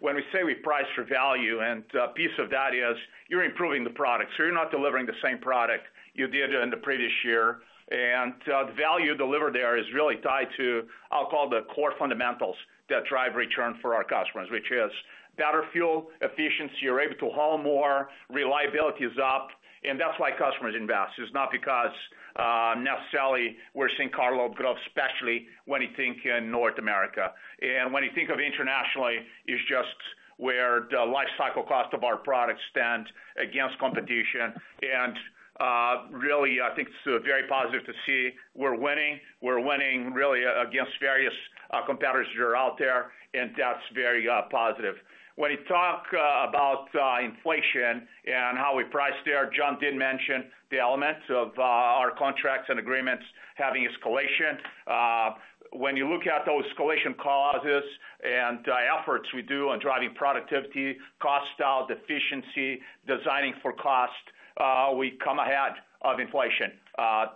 when we say we price for value, and a piece of that is you're improving the product. So you're not delivering the same product you did in the previous year. And the value delivered there is really tied to, I'll call the core fundamentals that drive return for our customers, which is better fuel efficiency. You're able to haul more. Reliability is up. And that's why customers invest. It's not because necessarily we're seeing carload growth, especially when you think in North America. And when you think of internationally, it's just where the life cycle cost of our products stand against competition. And really, I think it's very positive to see we're winning. We're winning really against various competitors that are out there, and that's very positive. When you talk about inflation and how we price there, John did mention the elements of our contracts and agreements having escalation. When you look at those escalation clauses and efforts we do on driving productivity, cost out, efficiency, designing for cost, we come ahead of inflation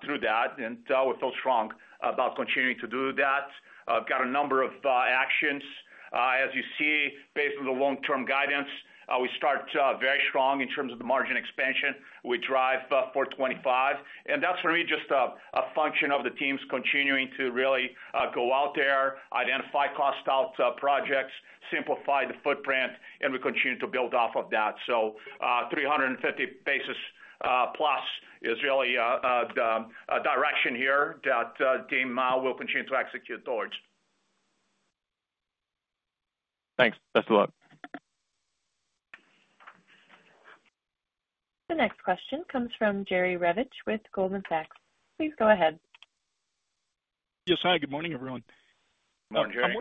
through that, and we feel strong about continuing to do that. I've got a number of actions. As you see, based on the long-term guidance, we start very strong in terms of the margin expansion. We drive for 2025, and that's for me just a function of the team's continuing to really go out there, identify cost out projects, simplify the footprint, and we continue to build off of that, so 350 basis points+ is really the direction here that the team will continue to execute towards. Thanks. Best of luck. The next question comes from Jerry Revich with Goldman Sachs. Please go ahead. Yes, hi. Good morning, everyone. I'm wondering,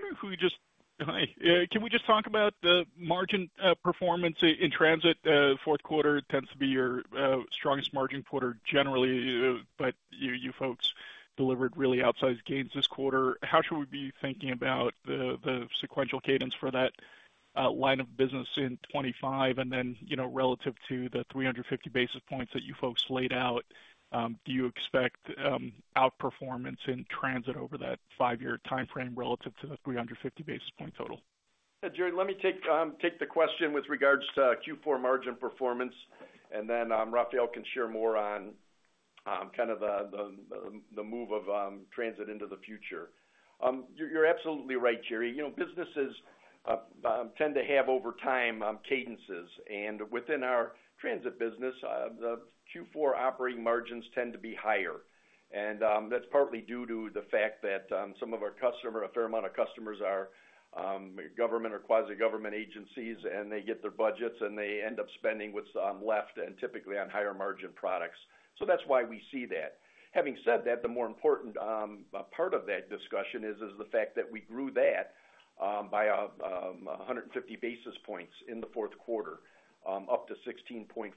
can we just talk about the margin performance in Transit? Fourth quarter tends to be your strongest margin quarter generally, but you folks delivered really outsized gains this quarter. How should we be thinking about the sequential cadence for that line of business in 2025? And then relative to the 350 basis points that you folks laid out, do you expect outperformance in Transit over that five-year timeframe relative to the 350 basis points total? Jerry, let me take the question with regards to Q4 margin performance, and then Rafael can share more on kind of the move of Transit into the future. You're absolutely right, Jerry. Businesses tend to have over time cadences, and within our Transit business, the Q4 operating margins tend to be higher. That's partly due to the fact that some of our customers, a fair amount of customers, are government or quasi-government agencies, and they get their budgets and they end up spending what's left and typically on higher margin products. So that's why we see that. Having said that, the more important part of that discussion is the fact that we grew that by 150 basis points in the fourth quarter, up to 16.4%,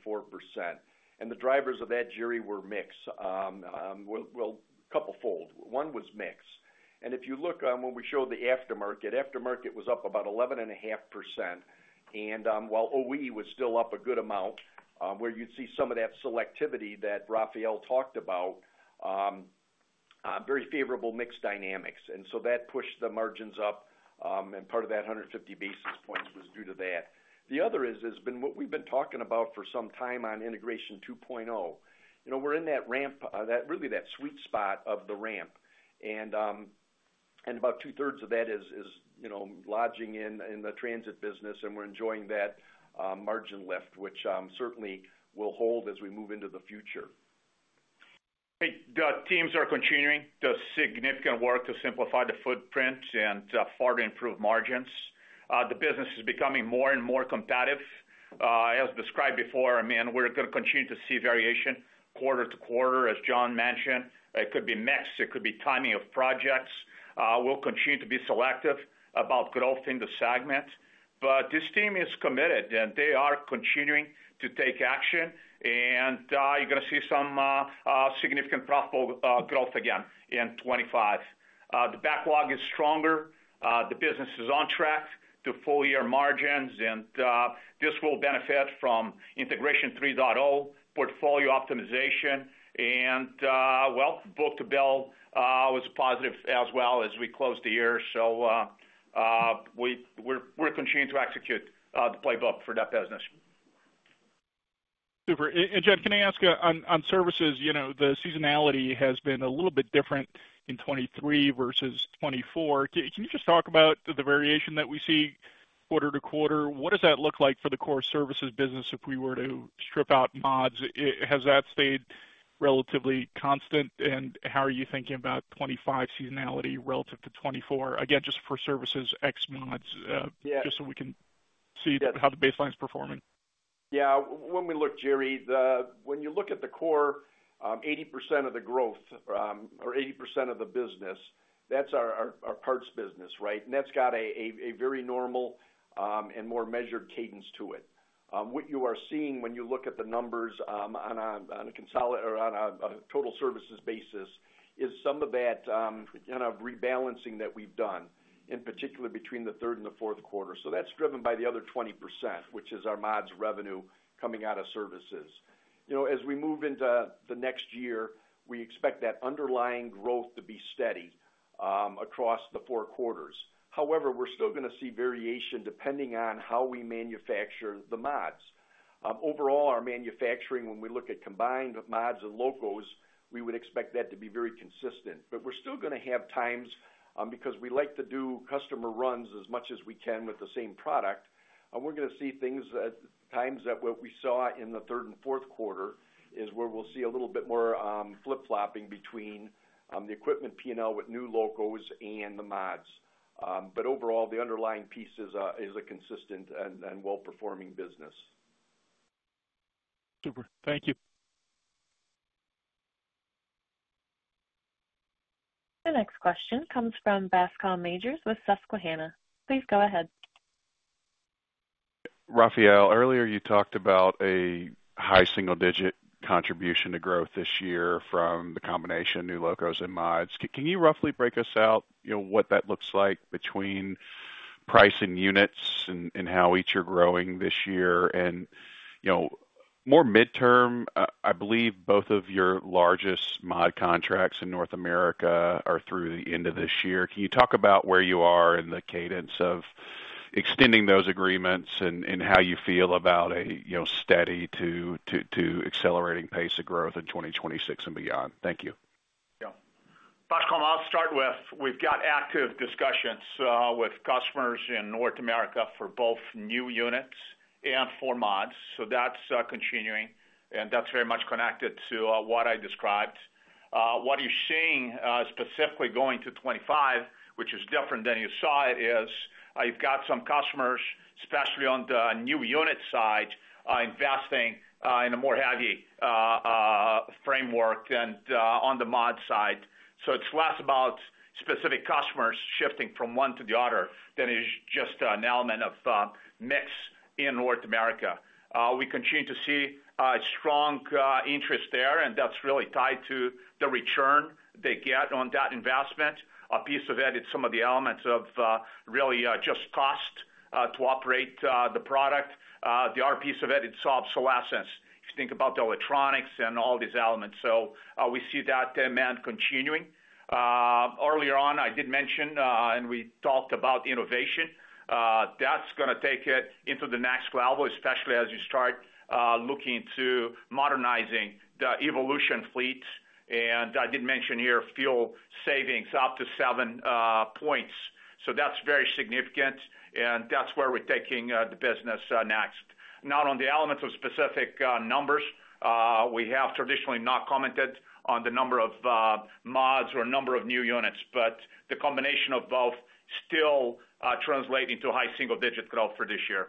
and the drivers of that, Jerry, were mixed, well, a couple fold. One was mixed. If you look when we showed the aftermarket, aftermarket was up about 11.5%. While OE was still up a good amount, where you'd see some of that selectivity that Rafael talked about, very favorable mixed dynamics. So that pushed the margins up, and part of that 150 basis points was due to that. The other has been what we've been talking about for some time on Integration 2.0. We're in that ramp, really that sweet spot of the ramp. About 2/3 of that is lodging in the Transit business, and we're enjoying that margin lift, which certainly will hold as we move into the future. The teams are continuing the significant work to simplify the footprint and further improve margins. The business is becoming more and more competitive. As described before, I mean, we're going to continue to see variation quarter to quarter, as John mentioned. It could be mixed. It could be timing of projects. We'll continue to be selective about growth in the segment, but this team is committed, and they are continuing to take action, and you're going to see some significant profitable growth again in 2025. The backlog is stronger. The business is on track to full year margins, and this will benefit from Integration 3.0, portfolio optimization, and, well, book-to-bill was positive as well as we closed the year, so we're continuing to execute the playbook for that business. Super. And, John, can I ask on services? The seasonality has been a little bit different in 2023 versus 2024. Can you just talk about the variation that we see quarter to quarter? What does that look like for the core services business if we were to strip out mods? Has that stayed relatively constant? And how are you thinking about 2025 seasonality relative to 2024? Again, just for services, X mods, just so we can see how the baseline is performing. Yeah. When we look, Jerry, when you look at the core, 80% of the growth or 80% of the business, that's our parts business, right? And that's got a very normal and more measured cadence to it. What you are seeing when you look at the numbers on a total services basis is some of that kind of rebalancing that we've done, in particular between the third and the fourth quarter. So that's driven by the other 20%, which is our mods revenue coming out of services. As we move into the next year, we expect that underlying growth to be steady across the four quarters. However, we're still going to see variation depending on how we manufacture the mods. Overall, our manufacturing, when we look at combined mods and locos, we would expect that to be very consistent. But we're still going to have times because we like to do customer runs as much as we can with the same product. And we're going to see things at times that what we saw in the third and fourth quarter is where we'll see a little bit more flip-flopping between the equipment P&L with new locos and the mods. But overall, the underlying piece is a consistent and well-performing business. Super. Thank you. The next question comes from Bascome Majors with Susquehanna. Please go ahead. Rafael, earlier you talked about a high single-digit contribution to growth this year from the combination of new locos and mods. Can you roughly break it out what that looks like between pricing units and how each are growing this year? And more medium-term, I believe both of your largest mod contracts in North America are through the end of this year. Can you talk about where you are in the cadence of extending those agreements and how you feel about a steady to accelerating pace of growth in 2026 and beyond? Thank you. Yeah. Bascome, I'll start with. We've got active discussions with customers in North America for both new units and for mods. So that's continuing, and that's very much connected to what I described. What you're seeing specifically going to 2025, which is different than you saw, is you've got some customers, especially on the new unit side, investing in a more heavy framework than on the mod side. So it's less about specific customers shifting from one to the other than it is just an element of mix in North America. We continue to see a strong interest there, and that's really tied to the return they get on that investment. A piece of it, it's some of the elements of really just cost to operate the product. The other piece of it, it's obsolescence. If you think about the electronics and all these elements. We see that demand continuing. Earlier on, I did mention, and we talked about innovation. That's going to take it into the next level, especially as you start looking to modernizing the Evolution fleets. And I did mention here fuel savings up to 7 points. So that's very significant, and that's where we're taking the business next. Now, on the elements of specific numbers, we have traditionally not commented on the number of mods or number of new units, but the combination of both still translating to high single-digit growth for this year.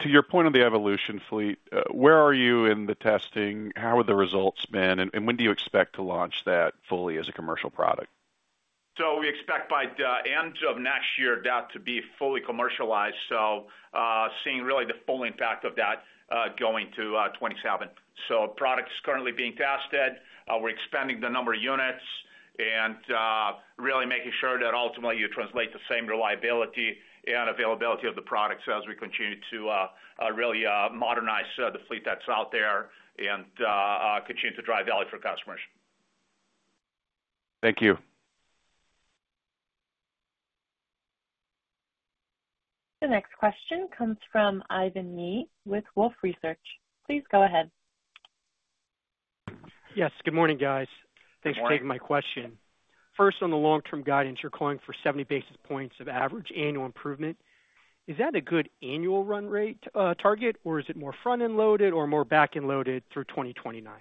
To your point on the Evolution fleet, where are you in the testing? How have the results been? And when do you expect to launch that fully as a commercial product? So we expect by the end of next year that to be fully commercialized. So, seeing really the full impact of that going to 2027. So product is currently being tested. We're expanding the number of units and really making sure that ultimately you translate the same reliability and availability of the products as we continue to really modernize the fleet that's out there and continue to drive value for customers. Thank you. The next question comes from Ivan Yi with Wolfe Research. Please go ahead. Yes. Good morning, guys. Thanks for taking my question. First, on the long-term guidance, you're calling for 70 basis points of average annual improvement. Is that a good annual run rate target, or is it more front-end loaded or more back-end loaded through 2029?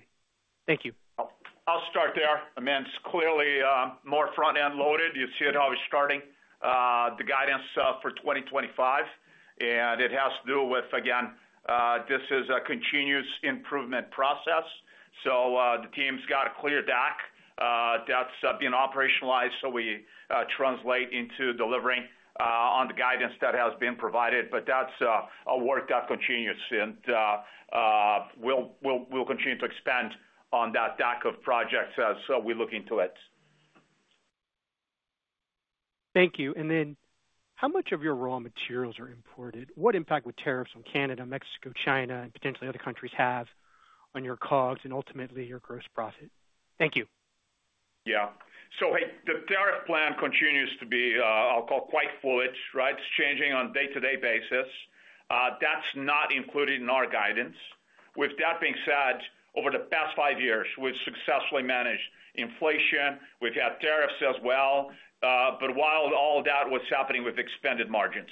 Thank you. I'll start there. I mean, it's clearly more front-end loaded. You see it always starting the guidance for 2025. And it has to do with, again, this is a continuous improvement process. So the team's got a clear deck that's being operationalized. So we translate into delivering on the guidance that has been provided. But that's a work that continues. And we'll continue to expand on that deck of projects as we look into it. Thank you. And then how much of your raw materials are imported? What impact would tariffs on Canada, Mexico, China, and potentially other countries have on your COGS and ultimately your gross profit? Thank you. Yeah. So the tariff plan continues to be, I'll call it quite foolish, right? It's changing on a day-to-day basis. That's not included in our guidance. With that being said, over the past five years, we've successfully managed inflation. We've had tariffs as well. But while all that was happening, we've expanded margins.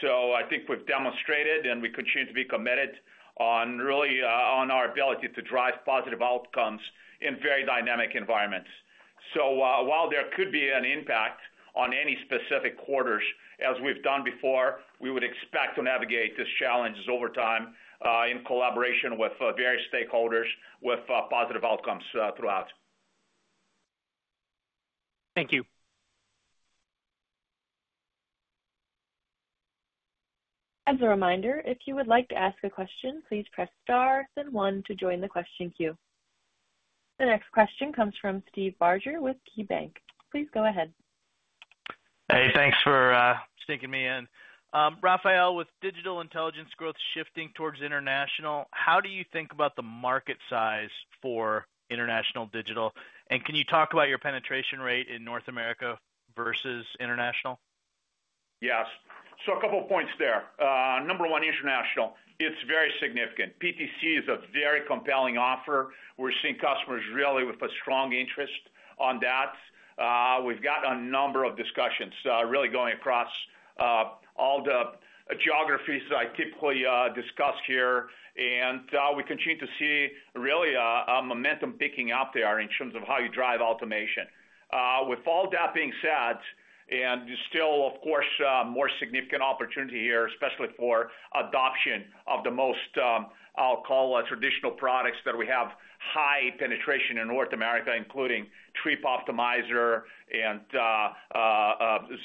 So I think we've demonstrated and we continue to be committed really on our ability to drive positive outcomes in very dynamic environments. So while there could be an impact on any specific quarters, as we've done before, we would expect to navigate these challenges over time in collaboration with various stakeholders with positive outcomes throughout. Thank you. As a reminder, if you would like to ask a question, please press star then one to join the question queue. The next question comes from Steve Barger with KeyBanc. Please go ahead. Hey, thanks for sticking me in. Rafael, with Digital Intelligence growth shifting toward international, how do you think about the market size for international digital? And can you talk about your penetration rate in North America versus international? Yes. So a couple of points there. Number one, international. It's very significant. PTC is a very compelling offer. We're seeing customers really with a strong interest on that. We've got a number of discussions really going across all the geographies that I typically discuss here, and we continue to see really a momentum picking up there in terms of how you drive automation. With all that being said, and still, of course, more significant opportunity here, especially for adoption of the most, I'll call it traditional products that we have high penetration in North America, including Trip Optimizer and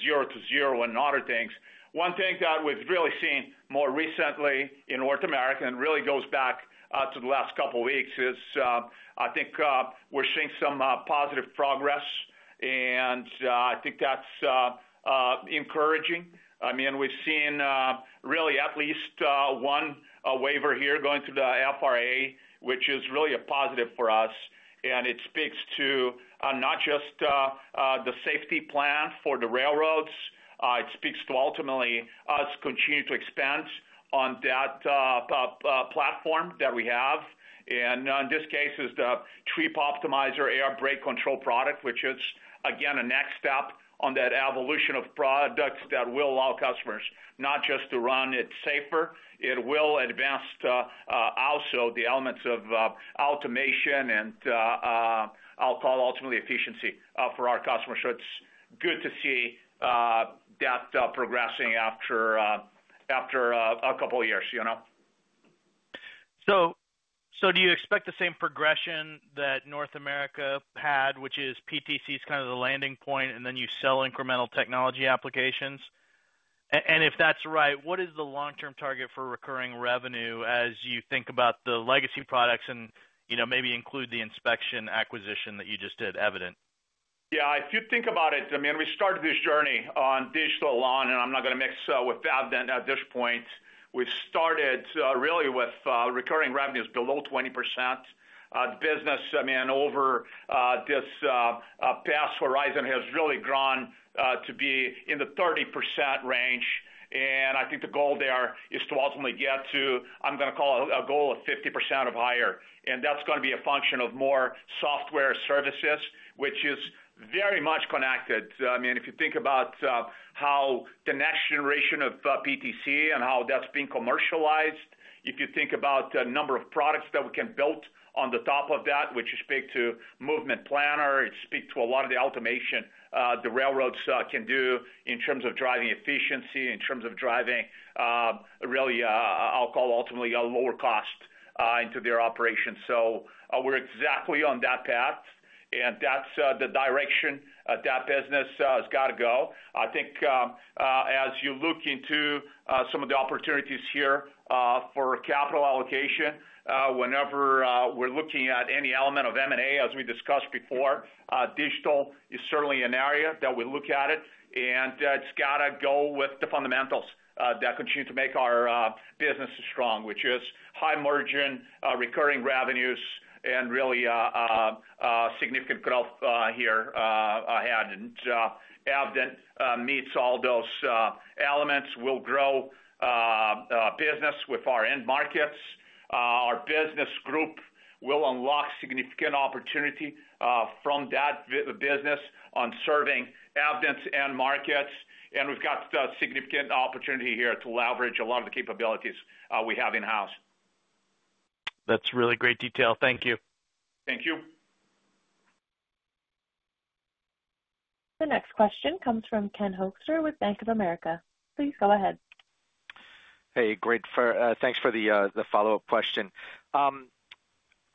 Zero-to-Zero and other things. One thing that we've really seen more recently in North America and really goes back to the last couple of weeks is I think we're seeing some positive progress, and I think that's encouraging. I mean, we've seen really at least one waiver here going to the FRA, which is really a positive for us. And it speaks to not just the safety plan for the railroads. It speaks to ultimately us continuing to expand on that platform that we have. And in this case, it's the Trip Optimizer Air Brake Control product, which is, again, a next step on that evolution of products that will allow customers not just to run it safer, it will advance also the elements of automation and I'll call ultimately efficiency for our customers. So it's good to see that progressing after a couple of years. So do you expect the same progression that North America had, which is PTC is kind of the landing point, and then you sell incremental technology applications? And if that's right, what is the long-term target for recurring revenue as you think about the legacy products and maybe include the inspection acquisition that you just did, Evident? Yeah. If you think about it, I mean, we started this journey on digital alone, and I'm not going to mix with that at this point. We started really with recurring revenues below 20%. The business, I mean, over this past horizon has really grown to be in the 30% range. And I think the goal there is to ultimately get to, I'm going to call it a goal of 50% or higher. And that's going to be a function of more software services, which is very much connected. I mean, if you think about how the next generation of PTC and how that's being commercialized, if you think about the number of products that we can build on the top of that, which speak to Movement Planner, it speaks to a lot of the automation the railroads can do in terms of driving efficiency, in terms of driving really, I'll call ultimately a lower cost into their operations. So we're exactly on that path. And that's the direction that business has got to go. I think as you look into some of the opportunities here for capital allocation, whenever we're looking at any element of M&A, as we discussed before, digital is certainly an area that we look at it. And it's got to go with the fundamentals that continue to make our business strong, which is high margin, recurring revenues, and really significant growth here ahead. Evident meets all those elements. We'll grow business with our end markets. Our business group will unlock significant opportunity from that business on serving Evident's end markets. We've got significant opportunity here to leverage a lot of the capabilities we have in-house. That's really great detail. Thank you. Thank you. The next question comes from Ken Hoexter with Bank of America. Please go ahead. Hey, great. Thanks for the follow-up question.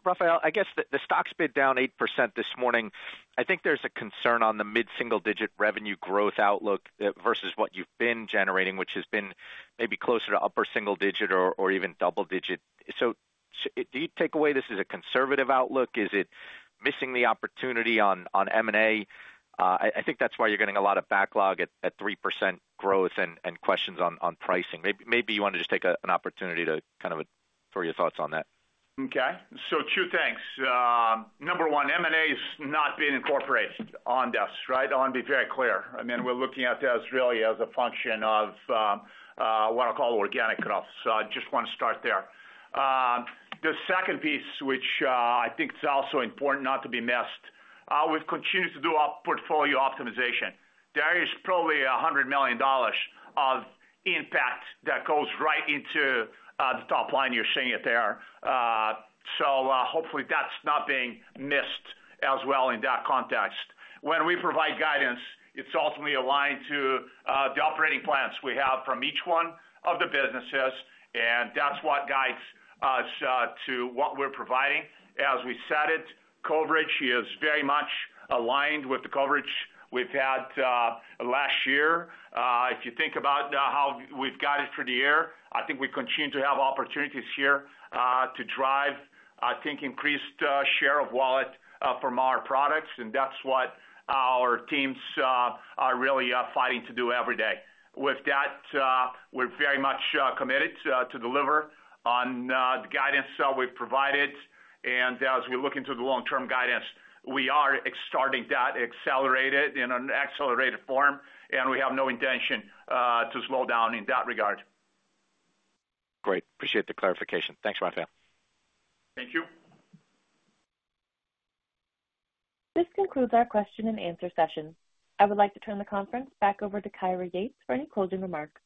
Rafael, I guess the stock's been down 8% this morning. I think there's a concern on the mid-single-digit revenue growth outlook versus what you've been generating, which has been maybe closer to upper single digit or even double digit. So do you take away this as a conservative outlook? Is it missing the opportunity on M&A? I think that's why you're getting a lot of backlog at 3% growth and questions on pricing. Maybe you want to just take an opportunity to kind of throw your thoughts on that. Okay. So two things. Number one, M&A has not been incorporated on this, right? I want to be very clear. I mean, we're looking at this really as a function of what I'll call organic growth. So I just want to start there. The second piece, which I think is also important not to be missed, we've continued to do portfolio optimization. There is probably $100 million of impact that goes right into the top line you're seeing it there. So hopefully that's not being missed as well in that context. When we provide guidance, it's ultimately aligned to the operating plans we have from each one of the businesses. And that's what guides us to what we're providing. As we said it, coverage is very much aligned with the coverage we've had last year. If you think about how we've got it for the year, I think we continue to have opportunities here to drive, I think, increased share of wallet from our products. And that's what our teams are really fighting to do every day. With that, we're very much committed to deliver on the guidance we've provided. And as we look into the long-term guidance, we are starting that acceleration in an accelerated form. And we have no intention to slow down in that regard. Great. Appreciate the clarification. Thanks, Rafael. Thank you. This concludes our question and answer session. I would like to turn the conference back over to Kyra Yates for any closing remarks.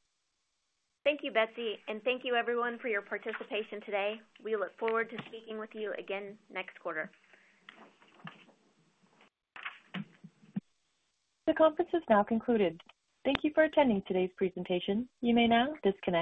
Thank you, Betsy, and thank you, everyone, for your participation today. We look forward to speaking with you again next quarter. The conference has now concluded. Thank you for attending today's presentation. You may now disconnect.